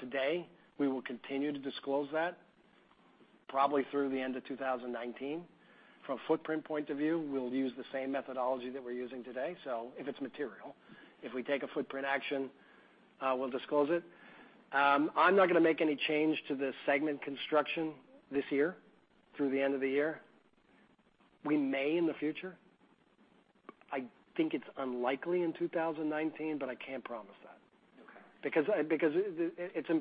today, we will continue to disclose that probably through the end of 2019. From a footprint point of view, we'll use the same methodology that we're using today, so if it's material. If we take a footprint action, we'll disclose it. I'm not going to make any change to the segment construction this year through the end of the year. We may in the future. I think it's unlikely in 2019, but I can't promise that.
Okay.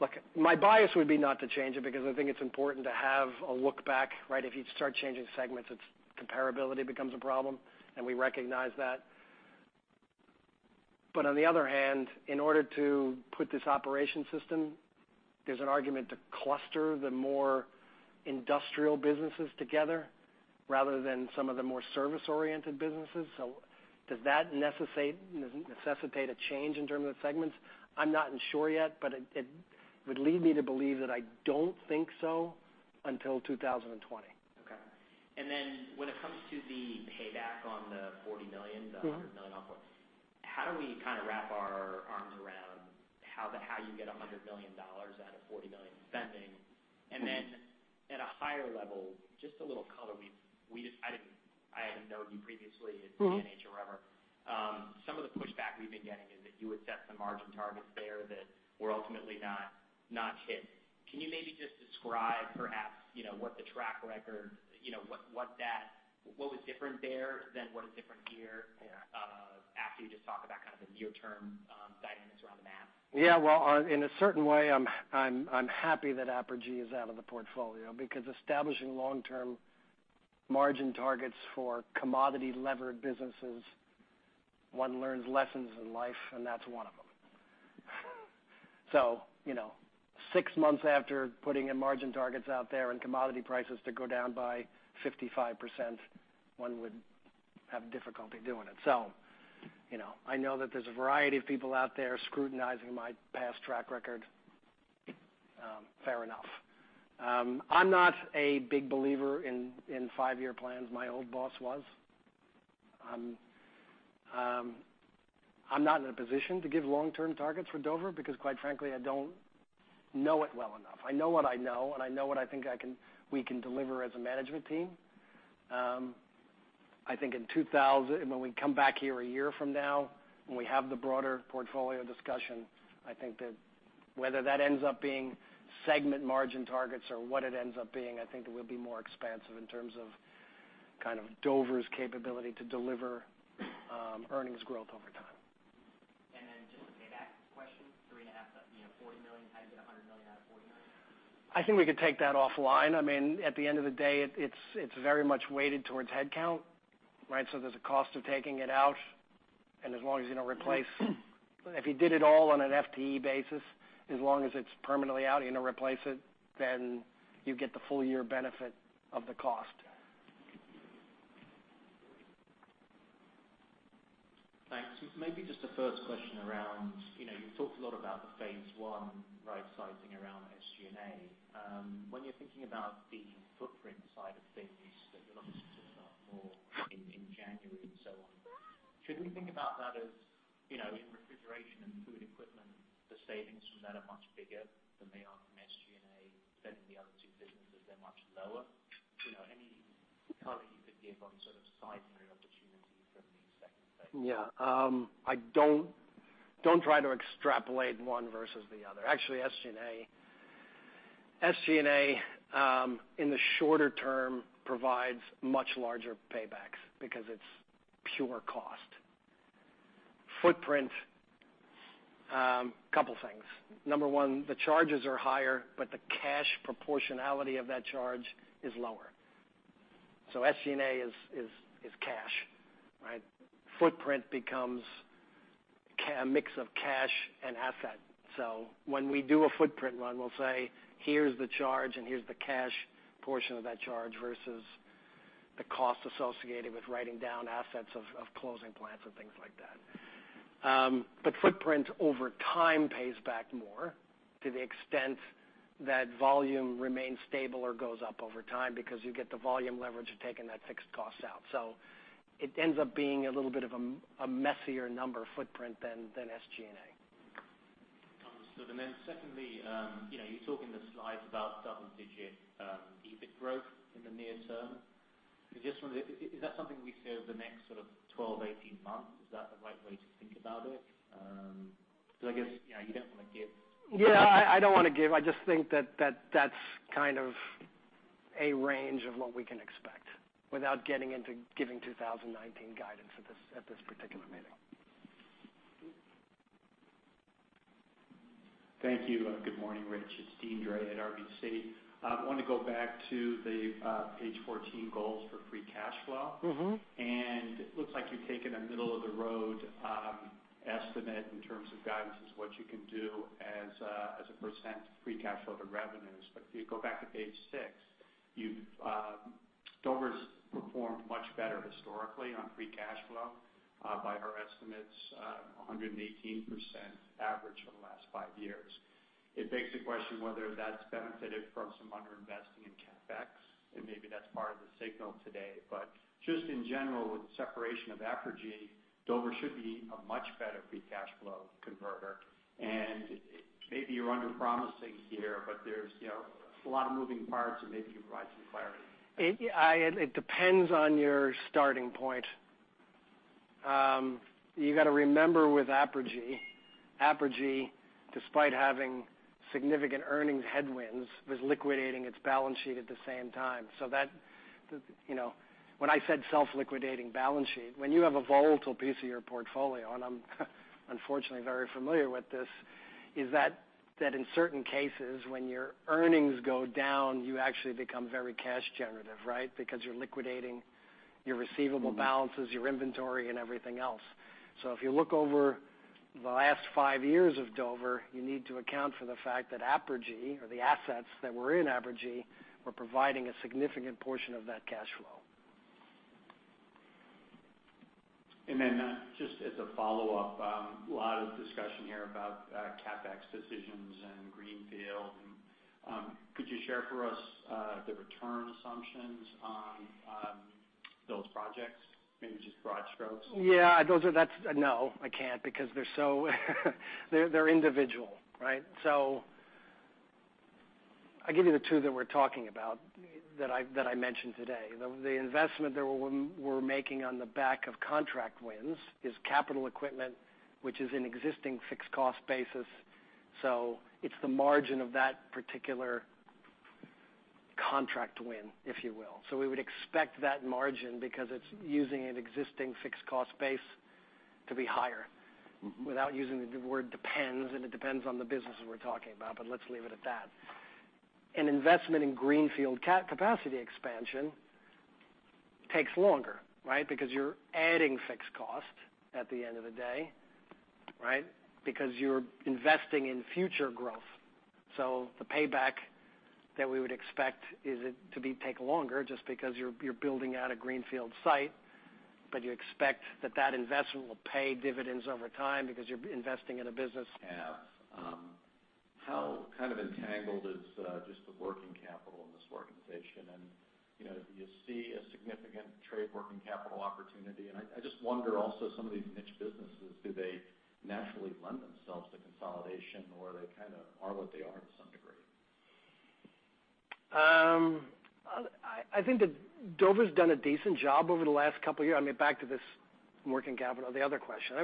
Look, my bias would be not to change it because I think it's important to have a look back. If you start changing segments, its comparability becomes a problem, and we recognize that. On the other hand, in order to put this operation system, there's an argument to cluster the more industrial businesses together rather than some of the more service-oriented businesses. Does that necessitate a change in terms of segments? I'm not sure yet, but it would lead me to believe that I don't think so until 2020.
Okay. When it comes to the payback on the $40 million- the $100 million outputs, how do we kind of wrap our arms around how you get $100 million out of $40 million in spending? At a higher level, just a little color. I didn't know you previously at CNH or wherever. Some of the pushback we've been getting is that you would set some margin targets there that were ultimately not hit. Can you maybe just describe perhaps what the track record, what was different there than what is different here? Yeah. After you just talk about kind of the near-term dynamics around the math.
Well, in a certain way, I'm happy that Apergy is out of the portfolio because establishing long-term margin targets for commodity-levered businesses, one learns lessons in life, and that's one of them. Six months after putting in margin targets out there and commodity prices to go down by 55%, one would have difficulty doing it. I know that there's a variety of people out there scrutinizing my past track record. Fair enough. I'm not a big believer in five-year plans. My old boss was. I'm not in a position to give long-term targets for Dover because quite frankly, I don't know it well enough. I know what I know, and I know what I think we can deliver as a management team. I think when we come back here a year from now and we have the broader portfolio discussion, I think that whether that ends up being segment margin targets or what it ends up being, I think it will be more expansive in terms of kind of Dover's capability to deliver earnings growth over time.
Just a payback question, three and a half, $40 million. How do you get $100 million out of $40 million?
I think we could take that offline. At the end of the day, it's very much weighted towards headcount. There's a cost of taking it out, and If you did it all on an FTE basis, as long as it's permanently out, you're going to replace it, then you get the full year benefit of the cost.
Thanks. Maybe just the first question around, you talked a lot about the phase one rightsizing around SG&A. When you're thinking about the footprint side of things, that you'll obviously start more in January and so on, should we think about that as in refrigeration and food equipment, the savings from that are much bigger than they are from SG&A, then in the other two businesses, they're much lower? Any color you could give on sort of sizing the opportunity from the second phase?
Yeah. Don't try to extrapolate one versus the other. Actually, SG&A, in the shorter term, provides much larger paybacks because it's pure cost. Footprint, couple things. Number one, the charges are higher, the cash proportionality of that charge is lower. SG&A is cash, right? Footprint becomes a mix of cash and asset. When we do a footprint run, we'll say, "Here's the charge and here's the cash portion of that charge versus the cost associated with writing down assets of closing plants and things like that." Footprint over time pays back more to the extent that volume remains stable or goes up over time because you get the volume leverage of taking that fixed cost out. It ends up being a little bit of a messier number footprint than SG&A.
Understood. Secondly, you talk in the slides about double-digit EBIT growth in the near term. Is that something we see over the next sort of 12, 18 months? Is that the right way to think about it? I guess, you don't want to give-
Yeah, I don't want to give. I just think that that's kind of a range of what we can expect without getting into giving 2019 guidance at this particular meeting.
Thank you. Good morning, Rich. It's Deane Dray at RBC. I wanted to go back to the page 14 goals for free cash flow. It looks like you've taken a middle-of-the-road estimate in terms of guidance as what you can do as a % of free cash flow to revenues. If you go back to page six, Dover's performed much better historically on free cash flow. By our estimates, 118% average over the last five years. It begs the question whether that's benefited from some under-investing in CapEx, maybe that's part of the signal today. Just in general, with the separation of Apergy, Dover should be a much better free cash flow converter. Maybe you're under-promising here, but there's a lot of moving parts and maybe you can provide some clarity.
It depends on your starting point. You got to remember with Apergy, despite having significant earnings headwinds, was liquidating its balance sheet at the same time. When I said self-liquidating balance sheet, when you have a volatile piece of your portfolio, and I'm unfortunately very familiar with this, is that in certain cases, when your earnings go down, you actually become very cash generative, right? Because you're liquidating your receivable balances your inventory, and everything else. If you look over the last five years of Dover, you need to account for the fact that Apergy, or the assets that were in Apergy, were providing a significant portion of that cash flow.
Just as a follow-up, a lot of discussion here about CapEx decisions and greenfield. Could you share for us the return assumptions on those projects? Maybe just broad strokes.
Yeah. No, I can't because they're individual, right? I'll give you the two that we're talking about that I mentioned today. The investment that we're making on the back of contract wins is capital equipment, which is an existing fixed cost basis. It's the margin of that particular contract win, if you will. We would expect that margin because it's using an existing fixed cost base to be higher, without using the word depends, and it depends on the businesses we're talking about, but let's leave it at that. An investment in greenfield capacity expansion takes longer, right? Because you're adding fixed cost at the end of the day, right? Because you're investing in future growth. The payback that we would expect is it to take longer just because you're building out a greenfield site, but you expect that that investment will pay dividends over time because you're investing in a business.
Yeah. How kind of entangled is just the working capital in this organization? Do you see a significant trade working capital opportunity? I just wonder also, some of these niche businesses, do they naturally lend themselves to consolidation, or they kind of are what they are to some degree?
I think that Dover's done a decent job over the last couple of years. Back to this working capital, the other question.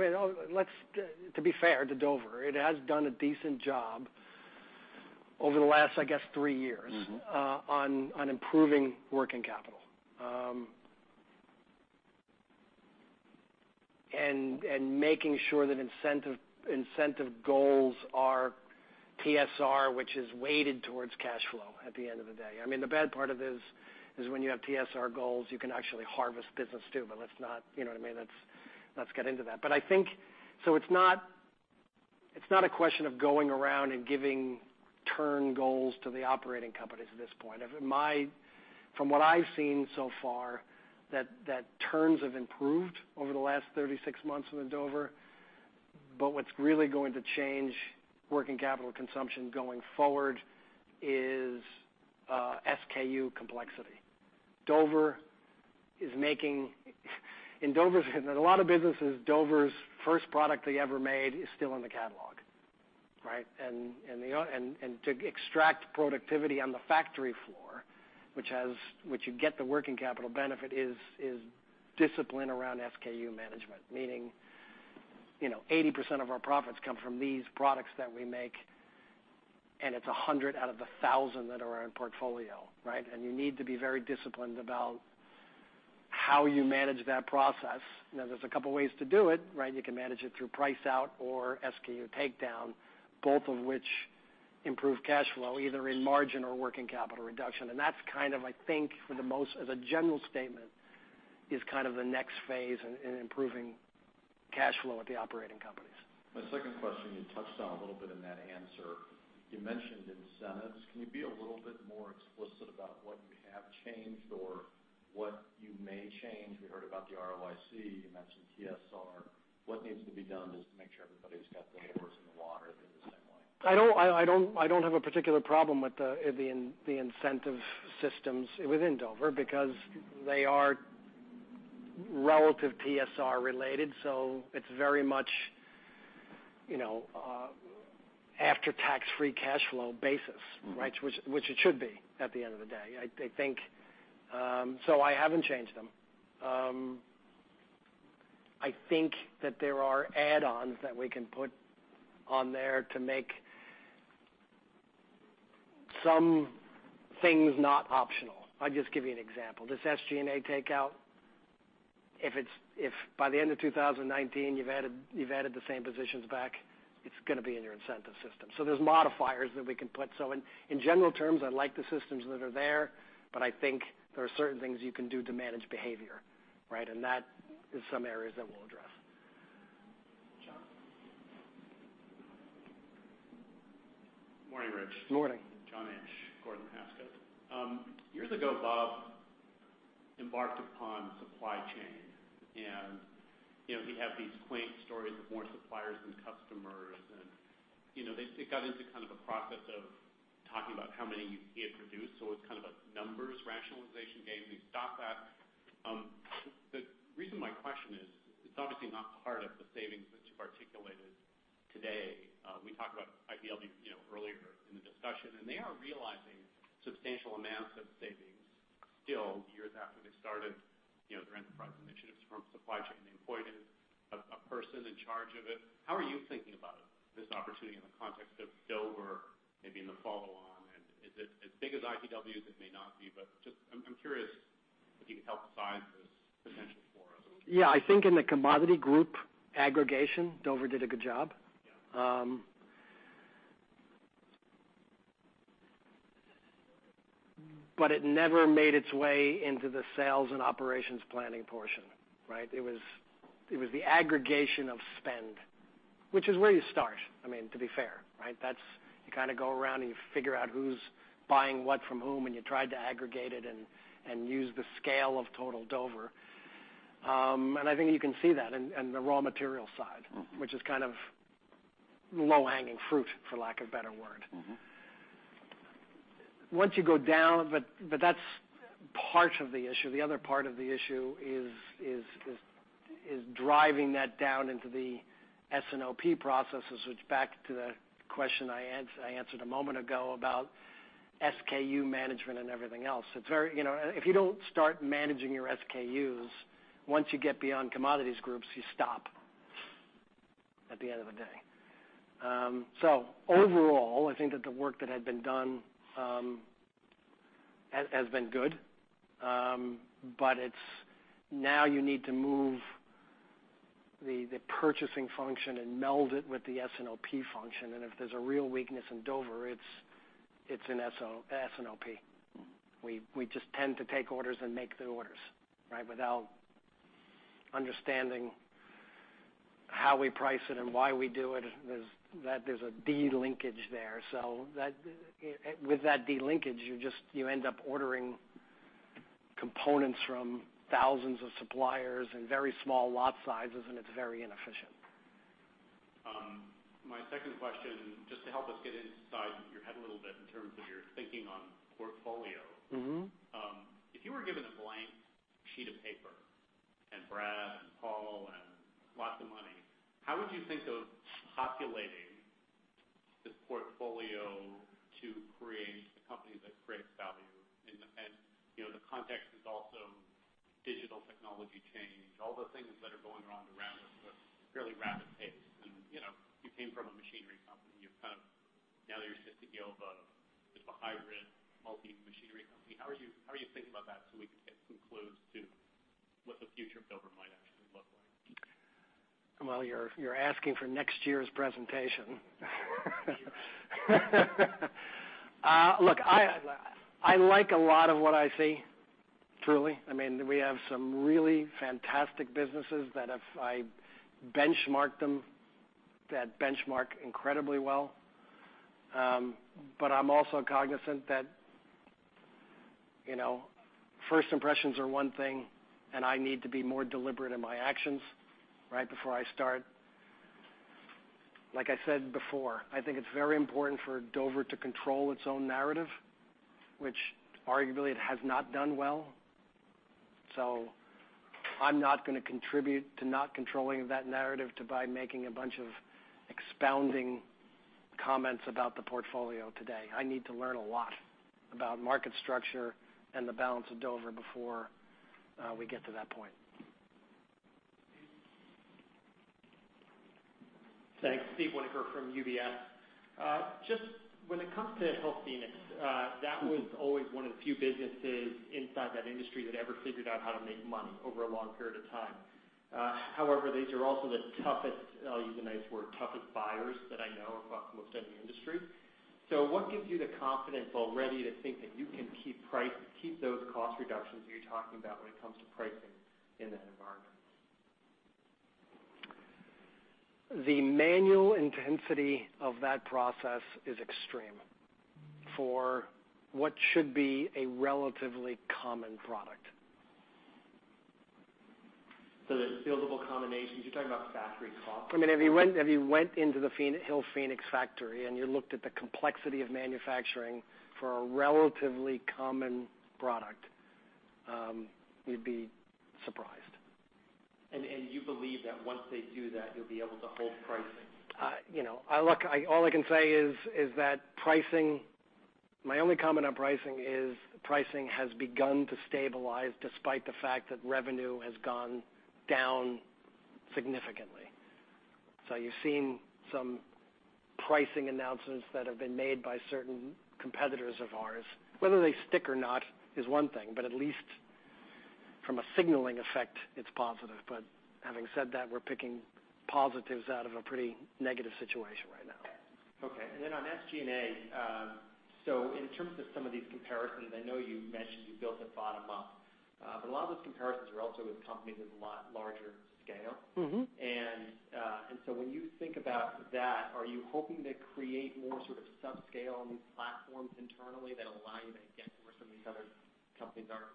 To be fair to Dover, it has done a decent job over the last, I guess, three years. Making sure that incentive goals are TSR, which is weighted towards cash flow at the end of the day. The bad part of this is when you have TSR goals, you can actually harvest business too, but let's not, you know what I mean? Let's get into that. It's not a question of going around and giving turn goals to the operating companies at this point. From what I've seen so far, that turns have improved over the last 36 months in Dover. What's really going to change working capital consumption going forward is SKU complexity. In a lot of businesses, Dover's first product they ever made is still in the catalog, right? To extract productivity on the factory floor, which you get the working capital benefit, is discipline around SKU management. Meaning, 80% of our profits come from these products that we make, and it's 100 out of 1,000 that are in our portfolio, right? You need to be very disciplined about how you manage that process. There's a couple ways to do it, right? You can manage it through price out or SKU takedown, both of which improve cash flow, either in margin or working capital reduction. That's kind of, I think, as a general statement, is kind of the next phase in improving cash flow at the operating companies.
My second question, you touched on a little bit in that answer. You mentioned incentives. Can you be a little bit more explicit about what you have changed or what you may change? We heard about the ROIC, you mentioned TSR. What needs to be done just to make sure everybody's got their oars in the water in the same way?
I don't have a particular problem with the incentive systems within Dover because they are relative TSR related, so it's very much after tax-free cash flow basis, right? Which it should be at the end of the day. I haven't changed them. I think that there are add-ons that we can put on there to make some things not optional. I'll just give you an example. This SG&A takeout, if by the end of 2019 you've added the same positions back, it's going to be in your incentive system. There's modifiers that we can put. In general terms, I like the systems that are there, but I think there are certain things you can do to manage behavior, right? That is some areas that we'll address.
John?
Morning, Rich. Morning. John Inch, Gordon Haskett. Years ago, Bob embarked upon supply chain, and we have these quaint stories of more suppliers than customers and it got into kind of a process of talking about how many you could produce. It's kind of a numbers rationalization game. We've stopped that. The reason my question is, it's obviously not part of the savings that you've articulated today. We talked about ITW earlier in the discussion, and they are realizing substantial amounts of savings still years after they started their enterprise initiatives from supply chain. They employed a person in charge of it. How are you thinking about this opportunity in the context of Dover, maybe in the follow on? Is it as big as ITW's? It may not be, but I'm curious if you could help size this potential for us.
Yeah, I think in the commodity group aggregation, Dover did a good job.
Yeah.
It never made its way into the sales and operations planning portion, right? It was the aggregation of spend, which is where you start, to be fair, right? You kind of go around and you figure out who's buying what from whom, and you try to aggregate it and use the scale of total Dover. I think you can see that in the raw material side, which is kind of low-hanging fruit, for lack of a better word. That's part of the issue. The other part of the issue is driving that down into the S&OP processes, which back to the question I answered a moment ago about SKU management and everything else. If you don't start managing your SKUs, once you get beyond commodities groups, you stop at the end of the day. Overall, I think that the work that had been done has been good. Now you need to move the purchasing function and meld it with the S&OP function, and if there's a real weakness in Dover, it's in S&OP. We just tend to take orders and make the orders, right? Without understanding how we price it and why we do it. There's a de-linkage there. With that de-linkage, you end up ordering components from thousands of suppliers in very small lot sizes, and it's very inefficient.
My second question, just to help us get inside your head a little bit in terms of your thinking on portfolio. If you were given a blank sheet of paper and Brad and Paul and lots of money, how would you think of populating this portfolio to create a company that creates value? The context is also digital technology change, all the things that are going around us with fairly rapid pace. You came from a machinery company. Now you are CEO of a hybrid multi-machinery company. How are you thinking about that so we can get some clues to what the future of Dover might actually look like?
Well, you are asking for next year's presentation. Look, I like a lot of what I see, truly. We have some really fantastic businesses that if I benchmark them, that benchmark incredibly well. I am also cognizant that first impressions are one thing, and I need to be more deliberate in my actions right before I start. I said before, I think it is very important for Dover to control its own narrative, which arguably it has not done well. I am not going to contribute to not controlling that narrative by making a bunch of expounding comments about the portfolio today. I need to learn a lot about market structure and the balance of Dover before we get to that point.
Thanks. Steve Winoker from UBS. Just when it comes to Hillphoenix, that was always one of the few businesses inside that industry that ever figured out how to make money over a long period of time. These are also the toughest, I will use a nice word, toughest buyers that I know across most any industry. What gives you the confidence already to think that you can keep those cost reductions you are talking about when it comes to pricing in that environment?
The manual intensity of that process is extreme for what should be a relatively common product.
The billable combinations, you're talking about factory cost?
If you went into the Hillphoenix factory, and you looked at the complexity of manufacturing for a relatively common product, you'd be surprised.
You believe that once they do that, you'll be able to hold pricing?
Look, all I can say is that my only comment on pricing is pricing has begun to stabilize despite the fact that revenue has gone down significantly. You've seen some pricing announcements that have been made by certain competitors of ours. Whether they stick or not is one thing, but at least from a signaling effect, it's positive. Having said that, we're picking positives out of a pretty negative situation right now.
Okay. On SG&A, in terms of some of these comparisons, I know you mentioned you built it bottom up. A lot of those comparisons are also with companies with a lot larger scale. When you think about that, are you hoping to create more sort of subscale platforms internally that allow you to get to where some of these other companies are?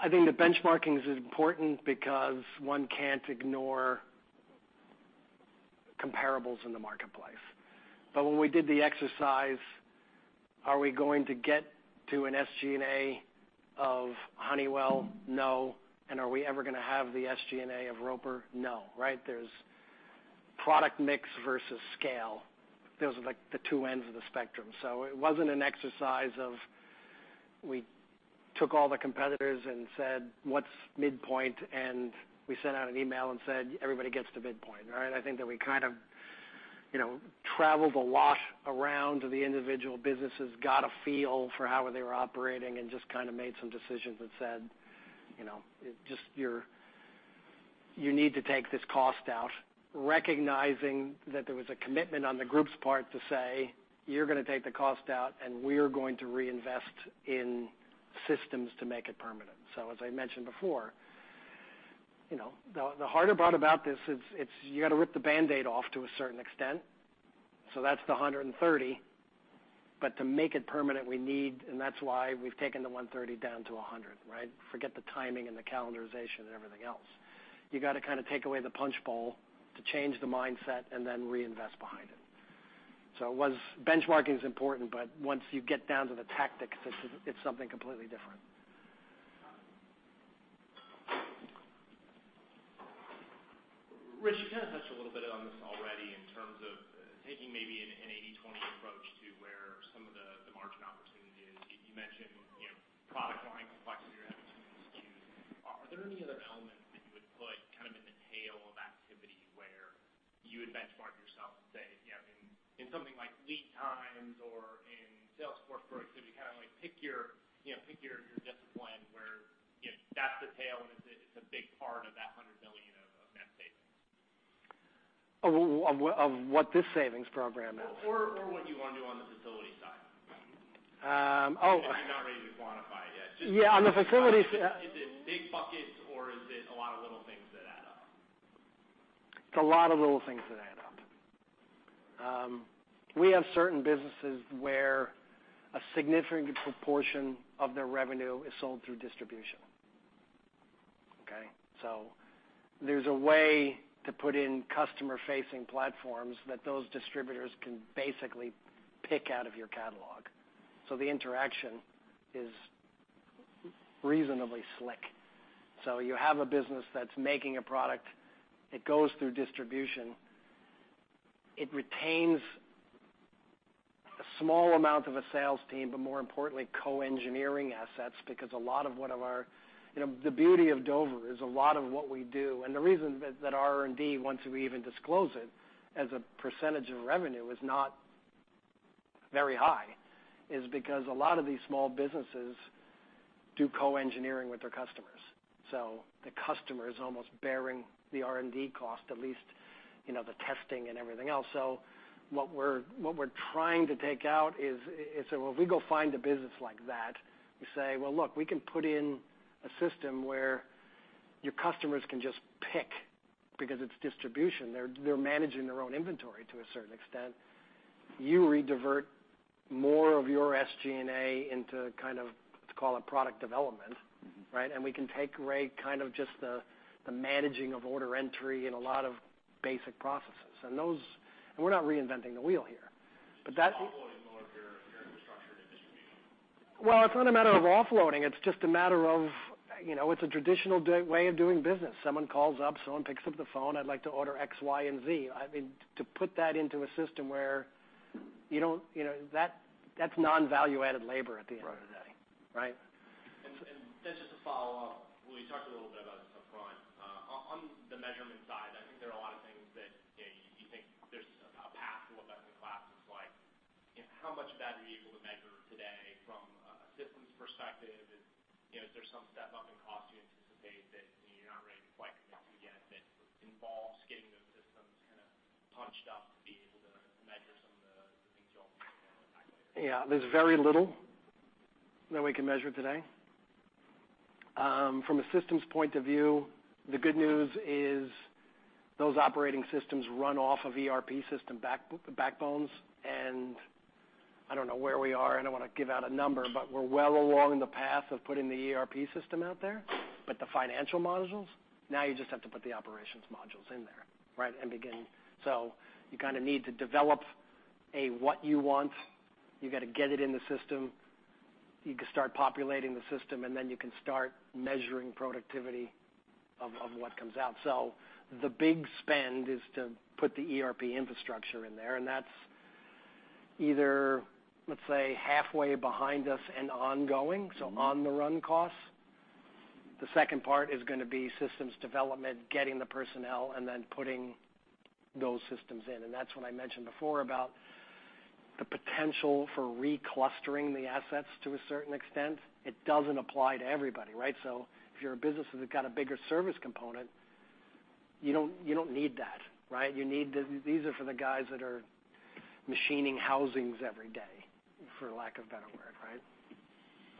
I think the benchmarking is important because one can't ignore comparables in the marketplace. When we did the exercise, are we going to get to an SG&A of Honeywell? No. Are we ever going to have the SG&A of Roper? No. There's product mix versus scale. Those are the two ends of the spectrum. It wasn't an exercise of we took all the competitors and said, "What's midpoint?" We sent out an email and said, "Everybody gets to midpoint." I think that we kind of traveled a lot around to the individual businesses, got a feel for how they were operating, and just kind of made some decisions and said, "You need to take this cost out," recognizing that there was a commitment on the group's part to say, "You're going to take the cost out, and we're going to reinvest in systems to make it permanent." As I mentioned before, the hard part about this is you got to rip the Band-Aid off to a certain extent. That's the $130. To make it permanent, and that's why we've taken the $130 down to $100. Forget the timing and the calendarization and everything else. You got to kind of take away the punch bowl to change the mindset and then reinvest behind it. Benchmarking is important, but once you get down to the tactics, it's something completely different.
Rich, you kind of touched a little bit on this already in terms of taking maybe an 80/20 approach to where some of the margin opportunity is. You mentioned product line complexity or opportunities. Are there any other elements that you would put kind of in the tail of activity where you would benchmark yourself and say in something like lead times or in sales force productivity, kind of like pick your discipline where that's the tail and it's a big part of that $100 million of net savings?
Of what this savings program is?
What you want to do on the facility side.
Oh.
I'm not ready to quantify it yet.
Yeah, on the.
Is it big buckets, or is it a lot of little things that add up?
It's a lot of little things that add up. We have certain businesses where a significant proportion of their revenue is sold through distribution. Okay. There's a way to put in customer-facing platforms that those distributors can basically pick out of your catalog. The interaction is reasonably slick. You have a business that's making a product, it goes through distribution, it retains a small amount of a sales team, but more importantly, co-engineering assets because a lot of what our-- the beauty of Dover is a lot of what we do, and the reason that our R&D, once we even disclose it as a percentage of revenue, is not very high, is because a lot of these small businesses do co-engineering with their customers. The customer is almost bearing the R&D cost, at least the testing and everything else. What we're trying to take out is, if we go find a business like that, we say, "Well, look, we can put in a system where your customers can just pick because it's distribution." They're managing their own inventory to a certain extent. You redivert more of your SG&A into kind of, let's call it product development. Right. We can take away kind of just the managing of order entry and a lot of basic processes. We're not reinventing the wheel here. That-
Just offloading more of your infrastructure and distribution.
It's not a matter of offloading. It's a traditional way of doing business. Someone calls up, someone picks up the phone, "I'd like to order X, Y, and Z." That's non-value added labor at the end of the day.
Right.
Right?
Just to follow up, well, you talked a little bit about this up front. On the measurement side, I think there are a lot of things that you think there's a path to a better-in-class. How much of that are you able to measure today from a systems perspective? Is there some step-up in cost you anticipate that you're not ready to quite commit to yet that involves getting those systems kind of punched up to be able to measure some of the things you all think are impactful?
Yeah. There's very little that we can measure today. From a systems point of view, the good news is those operating systems run off of ERP system backbones. I don't know where we are, I don't want to give out a number, but we're well along the path of putting the ERP system out there. The financial modules, now you just have to put the operations modules in there, right, and begin. You kind of need to develop a what you want. You got to get it in the system. You can start populating the system, and then you can start measuring productivity of what comes out. The big spend is to put the ERP infrastructure in there, and that's either, let's say, halfway behind us and ongoing. On the run costs. The second part is going to be systems development, getting the personnel, and then putting those systems in. That's what I mentioned before about the potential for reclustering the assets to a certain extent. It doesn't apply to everybody, right? If you're a business that's got a bigger service component, you don't need that, right? These are for the guys that are machining housings every day, for lack of a better word, right?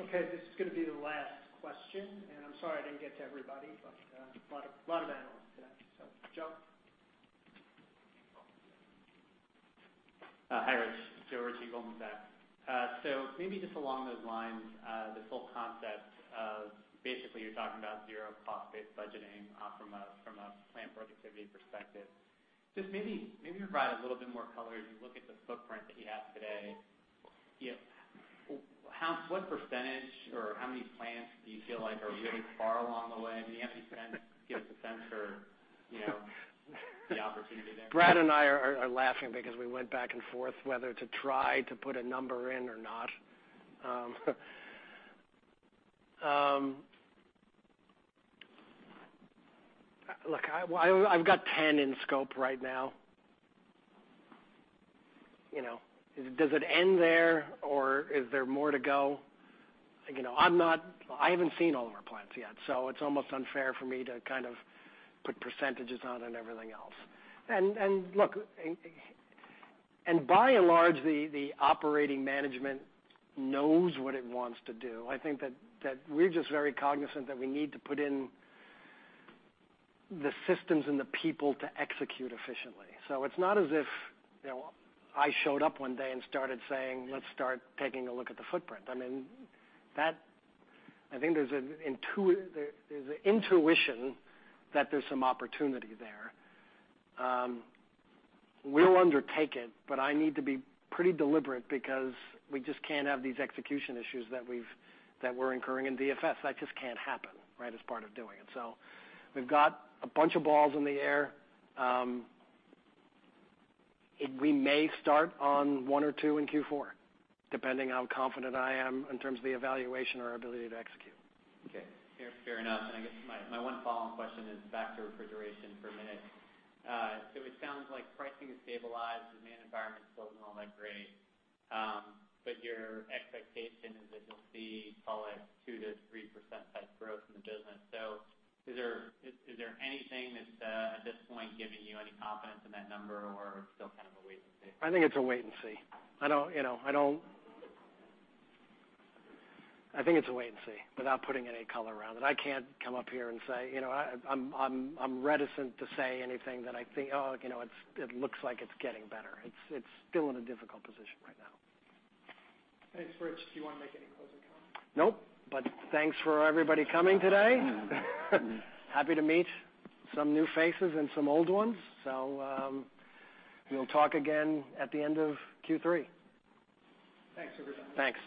This is going to be the last question. I'm sorry I didn't get to everybody, a lot of analysts today. Joe?
Hi, Rich. Joe Ritchie, Goldman Sachs. Maybe just along those lines, this whole concept of basically you're talking about zero cost-based budgeting from a plant productivity perspective. Just maybe provide a little bit more color as you look at the footprint that you have today. What percentage or how many plants do you feel like are really far along the way? Do you have any sense, give us a sense for the opportunity there?
Brad and I are laughing because we went back and forth whether to try to put a number in or not. Look, I've got 10 in scope right now. Does it end there, is there more to go? I haven't seen all of our plants yet, it's almost unfair for me to kind of put percentages on it and everything else. By and large, the operating management knows what it wants to do. I think that we're just very cognizant that we need to put in the systems and the people to execute efficiently. It's not as if I showed up one day and started saying, "Let's start taking a look at the footprint." I think there's an intuition that there's some opportunity there. We'll undertake it, I need to be pretty deliberate because we just can't have these execution issues that we're incurring in DFS. That just can't happen as part of doing it. We've got a bunch of balls in the air. We may start on one or two in Q4, depending how confident I am in terms of the evaluation or ability to execute.
Okay. Fair enough. I guess my one follow-on question is back to refrigeration for a minute. It sounds like pricing has stabilized, the demand environment still isn't all that great. Your expectation is that you'll see call it 2%-3% type growth in the business. Is there anything that's at this point giving you any confidence in that number or it's still kind of a wait and see?
I think it's a wait and see. I think it's a wait and see, without putting any color around it. I'm reticent to say anything that I think, "Oh, it looks like it's getting better." It's still in a difficult position right now.
Thanks, Rich. Do you want to make any closing comments?
Nope. Thanks for everybody coming today. Happy to meet some new faces and some old ones. We'll talk again at the end of Q3.
Thanks, everybody.
Thanks.